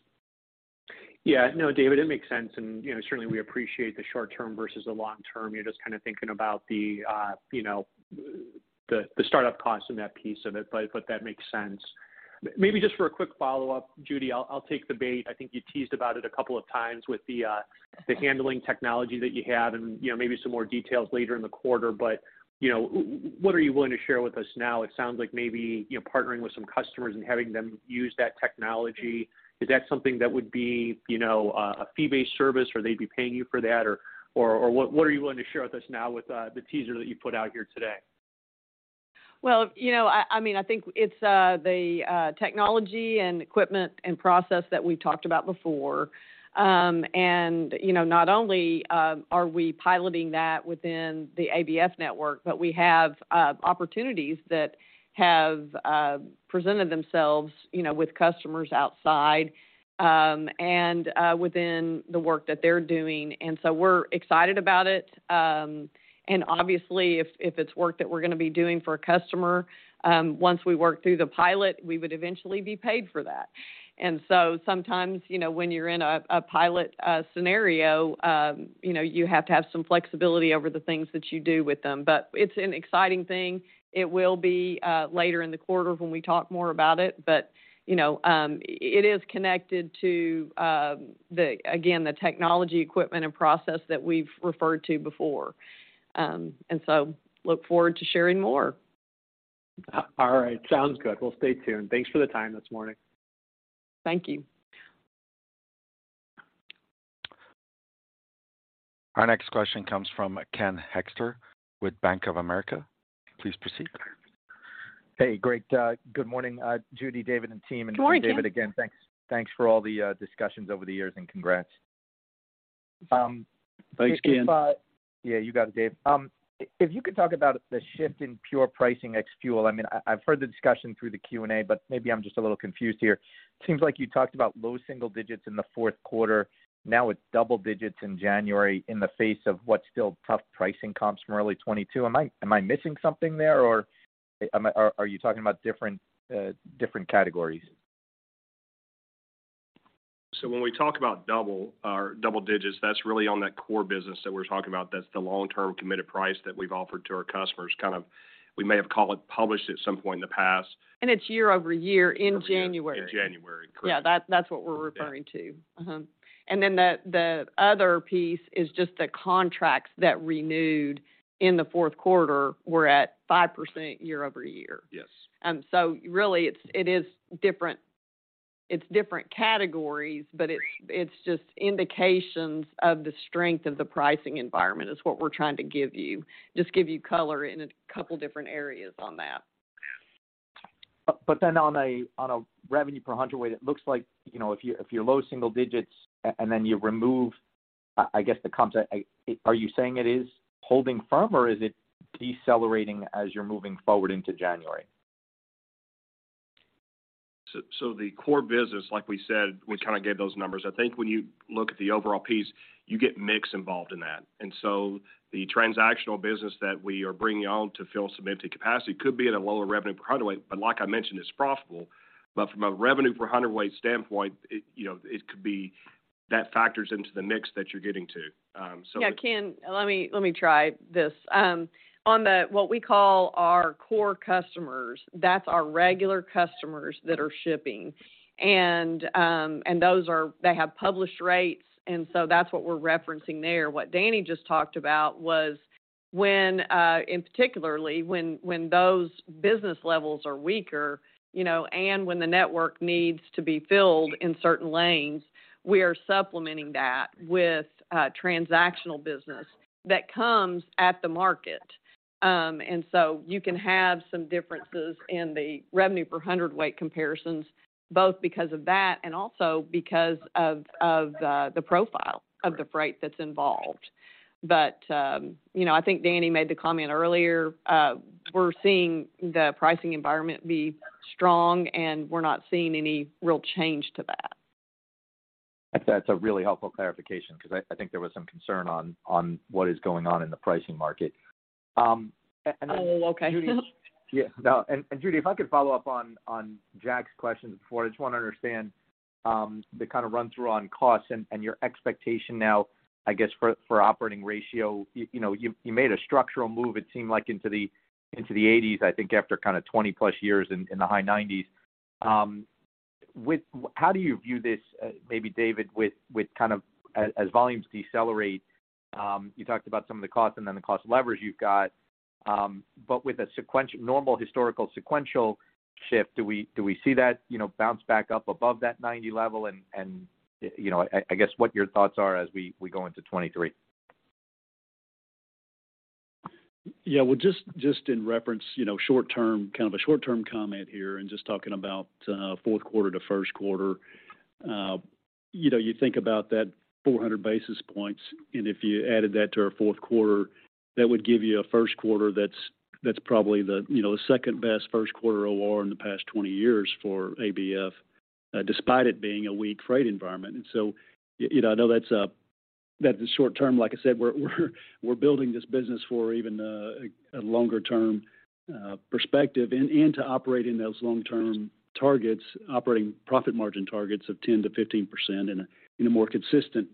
Yeah. No, David, it makes sense. You know, certainly we appreciate the short term versus the long term. You're just kind of thinking about the, you know, the startup cost and that piece of it, but that makes sense. Maybe just for a quick follow-up, Judy, I'll take the bait. I think you teased about it a couple of times with the handling technology that you have and, you know, maybe some more details later in the quarter. You know, what are you willing to share with us now? It sounds like maybe, you know, partnering with some customers and having them use that technology. Is that something that would be, you know, a fee-based service or they'd be paying you for that? what are you willing to share with us now with, the teaser that you put out here today? Well, you know, I mean, I think it's the technology and equipment and process that we talked about before. You know, not only are we piloting that within the ABF network, but we have opportunities that have presented themselves, you know, with customers outside, and within the work that they're doing. We're excited about it. Obviously, if it's work that we're gonna be doing for a customer, once we work through the pilot, we would eventually be paid for that. Sometimes, you know, when you're in a pilot scenario, you have to have some flexibility over the things that you do with them. It's an exciting thing. It will be later in the quarter when we talk more about it. You know, it is connected to, again, the technology, equipment and process that we've referred to before. Look forward to sharing more. All right. Sounds good. We'll stay tuned. Thanks for the time this morning. Thank you. Our next question comes from Ken Hoexter with Bank of America. Please proceed. Hey. Great. Good morning, Judy, David, and team. Good morning, Ken. David, again, thanks for all the discussions over the years, and congrats. Thanks, Ken. Yeah, you got it, Dave. If you could talk about the shift in pure pricing ex fuel. I mean, I've heard the discussion through the Q&A, but maybe I'm just a little confused here. Seems like you talked about low single digits in the fourth quarter. Now it's double digits in January in the face of what's still tough pricing comps from early 2022. Am I missing something there, or are you talking about different categories? When we talk about double or double digits, that's really on that core business that we're talking about. That's the long-term committed price that we've offered to our customers, kind of we may have call it, published at some point in the past. It's year-over-year in January. In January. Correct. Yeah. That's what we're referring to. Then the other piece is just the contracts that renewed in the fourth quarter were at 5% year-over-year. Yes. Really it's, it is different. It's different categories, but it's just indications of the strength of the pricing environment is what we're trying to give you. Just give you color in a couple different areas on that. On a revenue per hundredweight, it looks like, you know, if you're low single digits and then you remove, I guess the concept, are you saying it is holding firm, or is it decelerating as you're moving forward into January? The core business, like we said, we kind of gave those numbers. I think when you look at the overall piece, you get mix involved in that. The transactional business that we are bringing on to fill cemented capacity could be at a lower revenue per hundredweight. Like I mentioned, it's profitable. From a revenue per hundredweight standpoint, it, you know, it could be that factors into the mix that you're getting to. Yeah. Ken, let me try this. On the, what we call our core customers, that's our regular customers that are shipping. They have published rates, and so that's what we're referencing there. What Danny just talked about was when, particularly when those business levels are weaker, you know, and when the network needs to be filled in certain lanes, we are supplementing that with transactional business that comes at the market. You can have some differences in the revenue per hundredweight comparisons, both because of that and also because of the profile of the freight that's involved. You know, I think Danny made the comment earlier, we're seeing the pricing environment be strong, and we're not seeing any real change to that. That's a really helpful clarification because I think there was some concern on what is going on in the pricing market. Oh, okay. Yeah. No. Judy, if I could follow up on Jack's question before. I just want to understand the kind of run through on costs and your expectation now, I guess, for operating ratio. You, you know, you made a structural move, it seemed like, into the 80s, I think after kind of +20 years in the high 90s. How do you view this, maybe David with kind of as volumes decelerate, you talked about some of the costs and then the cost leverage you've got. But with a normal historical sequential shift, do we see that, you know, bounce back up above that 90 level? you know, I guess what your thoughts are as we go into 2023. Yeah. Well, just in reference, you know, short term, kind of a short-term comment here and just talking about fourth quarter to first quarter. You know, you think about that 400 basis points, and if you added that to our fourth quarter, that would give you a first quarter that's probably the, you know, the second best first quarter OR in the past 20 years for ABF, despite it being a weak freight environment. You, you know, I know that's the short term. Like I said, we're, we're building this business for even a longer-term perspective and to operating those long-term targets, operating profit margin targets of 10%-15% in a more consistent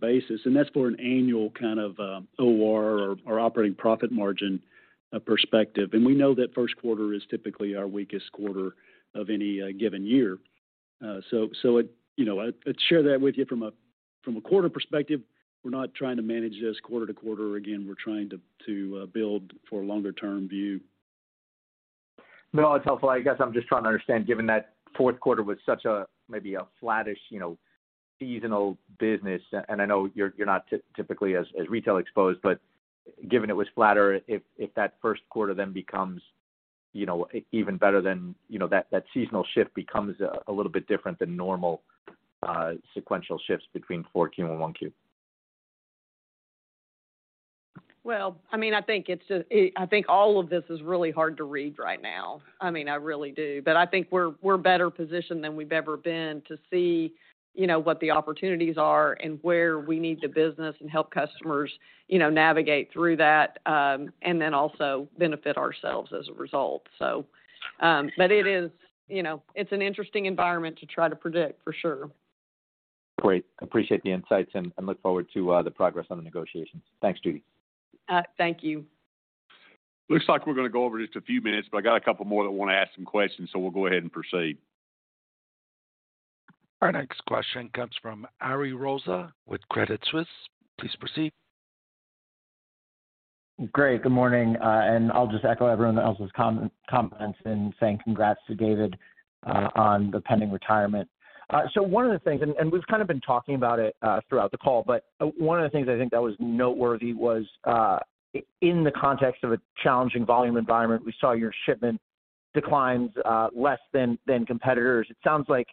basis. That's for an annual kind of OR or operating profit margin perspective. We know that first quarter is typically our weakest quarter of any given year. It, you know, I'd share that with you from a quarter perspective. We're not trying to manage this quarter to quarter. Again, we're trying to build for a longer-term view. No, that's helpful. I guess I'm just trying to understand, given that fourth quarter was such a, maybe a flattish, you know, seasonal business, and I know you're not typically as retail exposed, but given it was flatter, if that first quarter then becomes, you know, even better than, you know, that seasonal shift becomes a little bit different than normal sequential shifts between 4Q and 1Q. I mean, I think it's, I think all of this is really hard to read right now. I mean, I really do. I think we're better positioned than we've ever been to see, you know, what the opportunities are and where we need to business and help customers, you know, navigate through that, also benefit ourselves as a result. But it is, you know, it's an interesting environment to try to predict for sure. Great. Appreciate the insights and look forward to, the progress on the negotiations. Thanks, Judy. Thank you. Looks like we're going to go over just a few minutes. I got a couple more that want to ask some questions. We'll go ahead and proceed. Our next question comes from Ari Rosa with Credit Suisse. Please proceed. Great. Good morning. I'll just echo everyone else's comments in saying congrats to David on the pending retirement. One of the things, and we've kind of been talking about it throughout the call, but one of the things I think that was noteworthy was in the context of a challenging volume environment, we saw your shipment declines less than competitors. It sounds like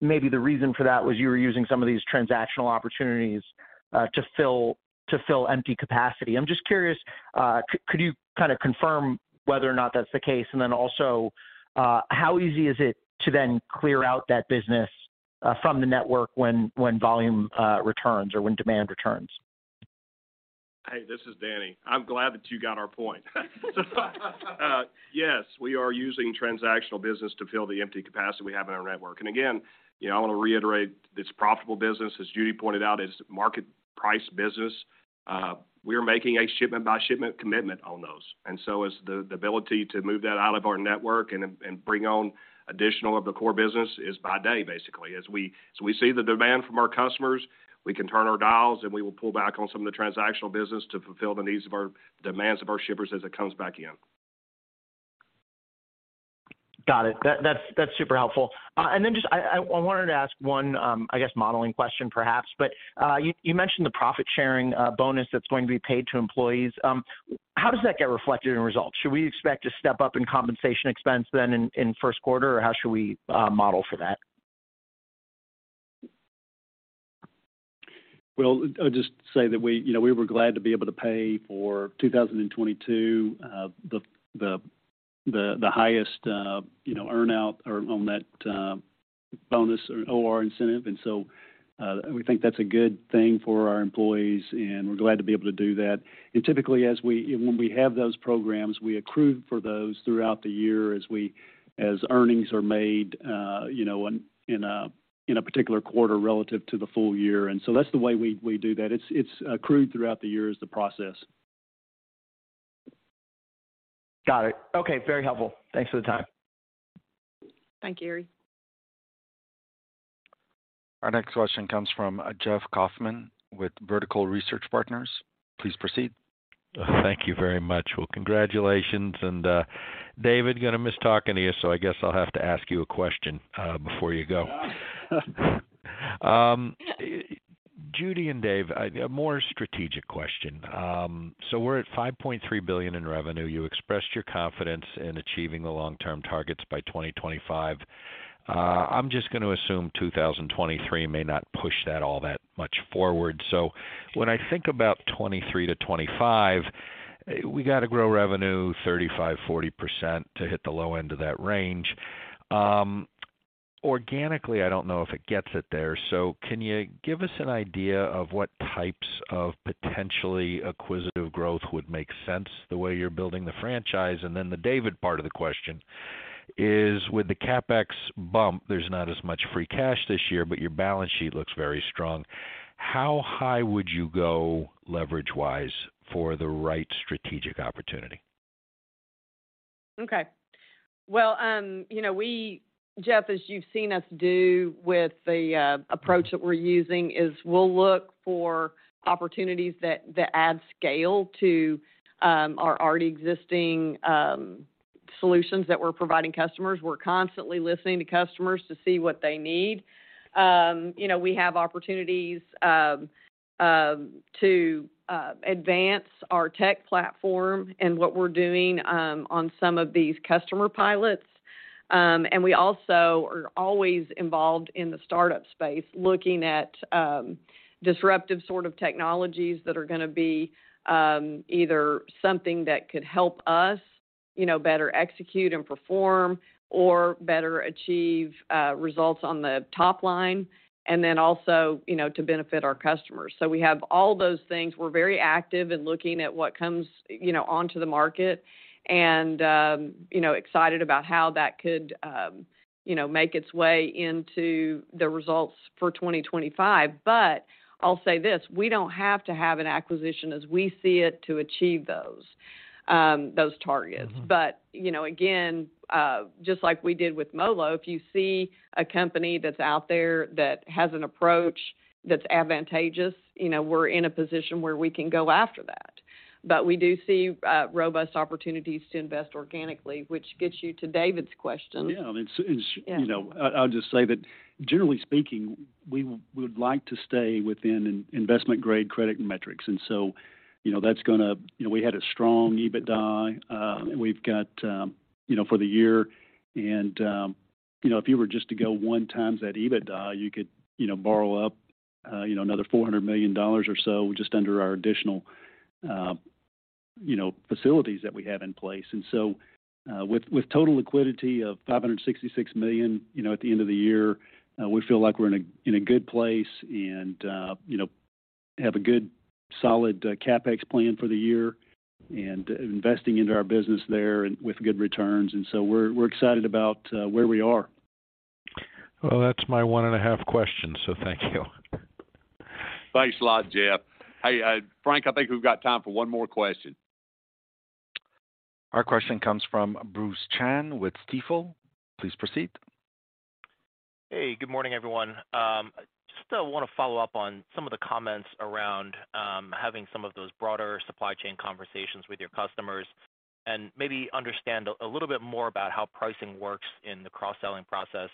maybe the reason for that was you were using some of these transactional opportunities to fill empty capacity. I'm just curious, could you kind of confirm whether or not that's the case? Then also, how easy is it to then clear out that business from the network when volume returns or when demand returns? Hey, this is Danny. I'm glad that you got our point. Yes, we are using transactional business to fill the empty capacity we have in our network. Again, you know, I want to reiterate this profitable business, as Judy pointed out, is market price business. We are making a shipment by shipment commitment on those. The ability to move that out of our network and bring on additional of the core business is by day, basically. So we see the demand from our customers, we can turn our dials, we will pull back on some of the transactional business to fulfill the needs of our demands of our shippers as it comes back in. Got it. That's, that's super helpful. Then just I wanted to ask one, I guess modeling question perhaps, but you mentioned the profit sharing bonus that's going to be paid to employees. How does that get reflected in results? Should we expect a step up in compensation expense then in first quarter, or how should we model for that? Well, I'll just say that we, you know, we were glad to be able to pay for 2022 the highest, you know, earn-out or on that bonus or OR incentive. We think that's a good thing for our employees, and we're glad to be able to do that. Typically, when we have those programs, we accrue for those throughout the year as earnings are made, you know, in a particular quarter relative to the full year. That's the way we do that. It's accrued throughout the year is the process. Got it. Okay. Very helpful. Thanks for the time. Thank you, Ari. Our next question comes from Jeff Kaufman with Vertical Research Partners. Please proceed. Thank you very much. Well, congratulations. David, gonna miss talking to you, so I guess I'll have to ask you a question before you go. Judy and David, a more strategic question. We're at $5.3 billion in revenue. You expressed your confidence in achieving the long-term targets by 2025. I'm just gonna assume 2023 may not push that all that much forward. When I think about 2023-2025, we got to grow revenue 35%-40% to hit the low end of that range. Organically, I don't know if it gets it there. Can you give us an idea of what types of potentially acquisitive growth would make sense the way you're building the franchise? The David part of the question is, with the CapEx bump, there's not as much free cash this year, but your balance sheet looks very strong. How high would you go leverage-wise for the right strategic opportunity? Well, you know, Jeff, as you've seen us do with the approach that add scale to our already existing solutions that we're providing customers. We're constantly listening to customers to see what they need. You know, we have opportunities to advance our tech platform and what we're doing on some of these customer pilots. We also are always involved in the startup space, looking at disruptive sort of technologies that are gonna be either something that could help us, you know, better execute and perform or better achieve results on the top line and then also, you know, to benefit our customers. We have all those things. We're very active in looking at what comes, you know, onto the market and, you know, excited about how that could, you know, make its way into the results for 2025. I'll say this, we don't have to have an acquisition as we see it to achieve those targets. Mm-hmm. You know, again, just like we did with MoLo, if you see a company that's out there that has an approach that's advantageous, you know, we're in a position where we can go after that. We do see robust opportunities to invest organically, which gets you to David's question. Yeah. You know, I'll just say that generally speaking, we would like to stay within investment-grade credit metrics. You know, that's gonna. You know, we had a strong EBITDA, and we've got, you know, for the year. You know, if you were just to go 1 times that EBITDA, you could, you know, borrow up, you know, another $400 million or so just under our additional, you know, facilities that we have in place. With total liquidity of $566 million, you know, at the end of the year, we feel like we're in a good place and, you know, have a good solid CapEx plan for the year and investing into our business there and with good returns. We're excited about where we are. That's my one and a half questions, so thank you. Thanks a lot, Jeff. Hey, Frank, I think we've got time for one more question. Our question comes from Bruce Chan with Stifel. Please proceed. Hey, good morning, everyone. Just wanna follow up on some of the comments around having some of those broader supply chain conversations with your customers and maybe understand a little bit more about how pricing works in the cross-selling process.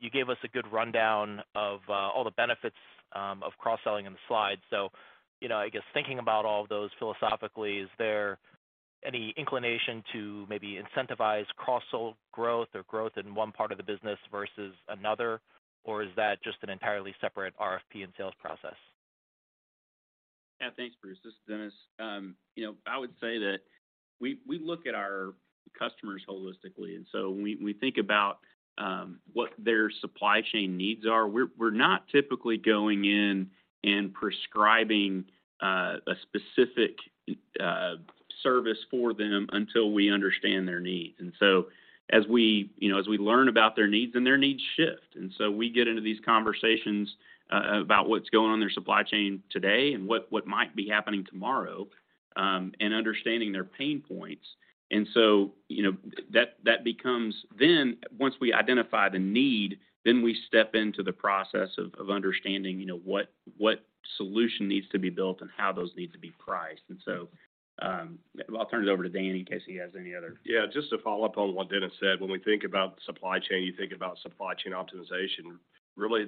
You gave us a good rundown of all the benefits of cross-selling in the slide. You know, I guess thinking about all of those philosophically, is there any inclination to maybe incentivize cross-sell growth or growth in one part of the business versus another? Is that just an entirely separate RFP and sales process? Yeah. Thanks, Bruce. This is Dennis. you know, I would say that we look at our customers holistically, and so we think about what their supply chain needs are. We're not typically going in and prescribing a specific service for them until we understand their needs. As we, you know, as we learn about their needs and their needs shift, and so we get into these conversations about what's going on in their supply chain today and what might be happening tomorrow, and understanding their pain points. you know, that becomes then once we identify the need, then we step into the process of understanding, you know, what solution needs to be built and how those need to be priced. I'll turn it over to Danny in case he has any other. Yeah. Just to follow up on what Dennis said, when we think about supply chain, you think about supply chain optimization. Really,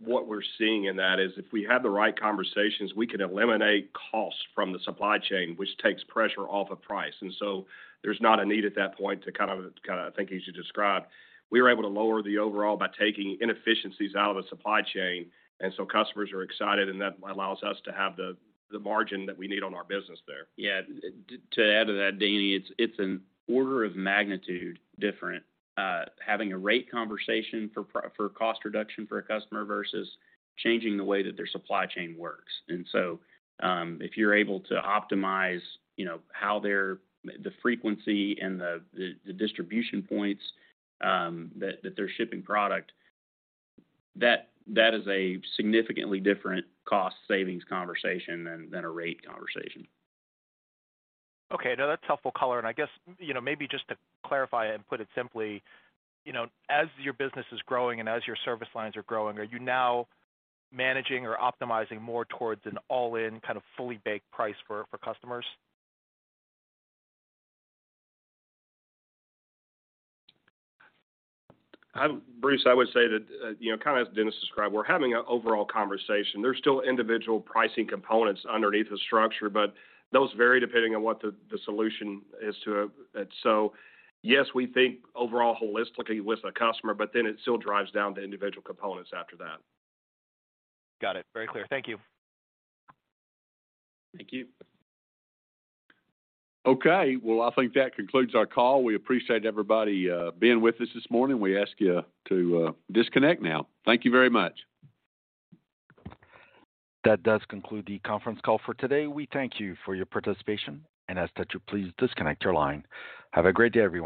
what we're seeing in that is if we have the right conversations, we can eliminate costs from the supply chain, which takes pressure off of price. There's not a need at that point to kind of, I think as you described, we were able to lower the overall by taking inefficiencies out of the supply chain, and so customers are excited, and that allows us to have the margin that we need on our business there. Yeah. To, to add to that, Danny, it's an order of magnitude different, having a rate conversation for cost reduction for a customer versus changing the way that their supply chain works. If you're able to optimize, you know, the frequency and the distribution points, that they're shipping product, that is a significantly different cost savings conversation than a rate conversation. Okay. No, that's helpful color. I guess, you know, maybe just to clarify and put it simply, you know, as your business is growing and as your service lines are growing, are you now managing or optimizing more towards an all-in kind of fully baked price for customers? Bruce, I would say that, you know, kinda as Dennis described, we're having an overall conversation. There's still individual pricing components underneath the structure. Those vary depending on what the solution is to it. Yes, we think overall holistically with a customer. It still drives down to individual components after that. Got it. Very clear. Thank you. Thank you. Okay. Well, I think that concludes our call. We appreciate everybody, being with us this morning. We ask you to, disconnect now. Thank you very much. That does conclude the conference call for today. We thank you for your participation and ask that you please disconnect your line. Have a great day, everyone.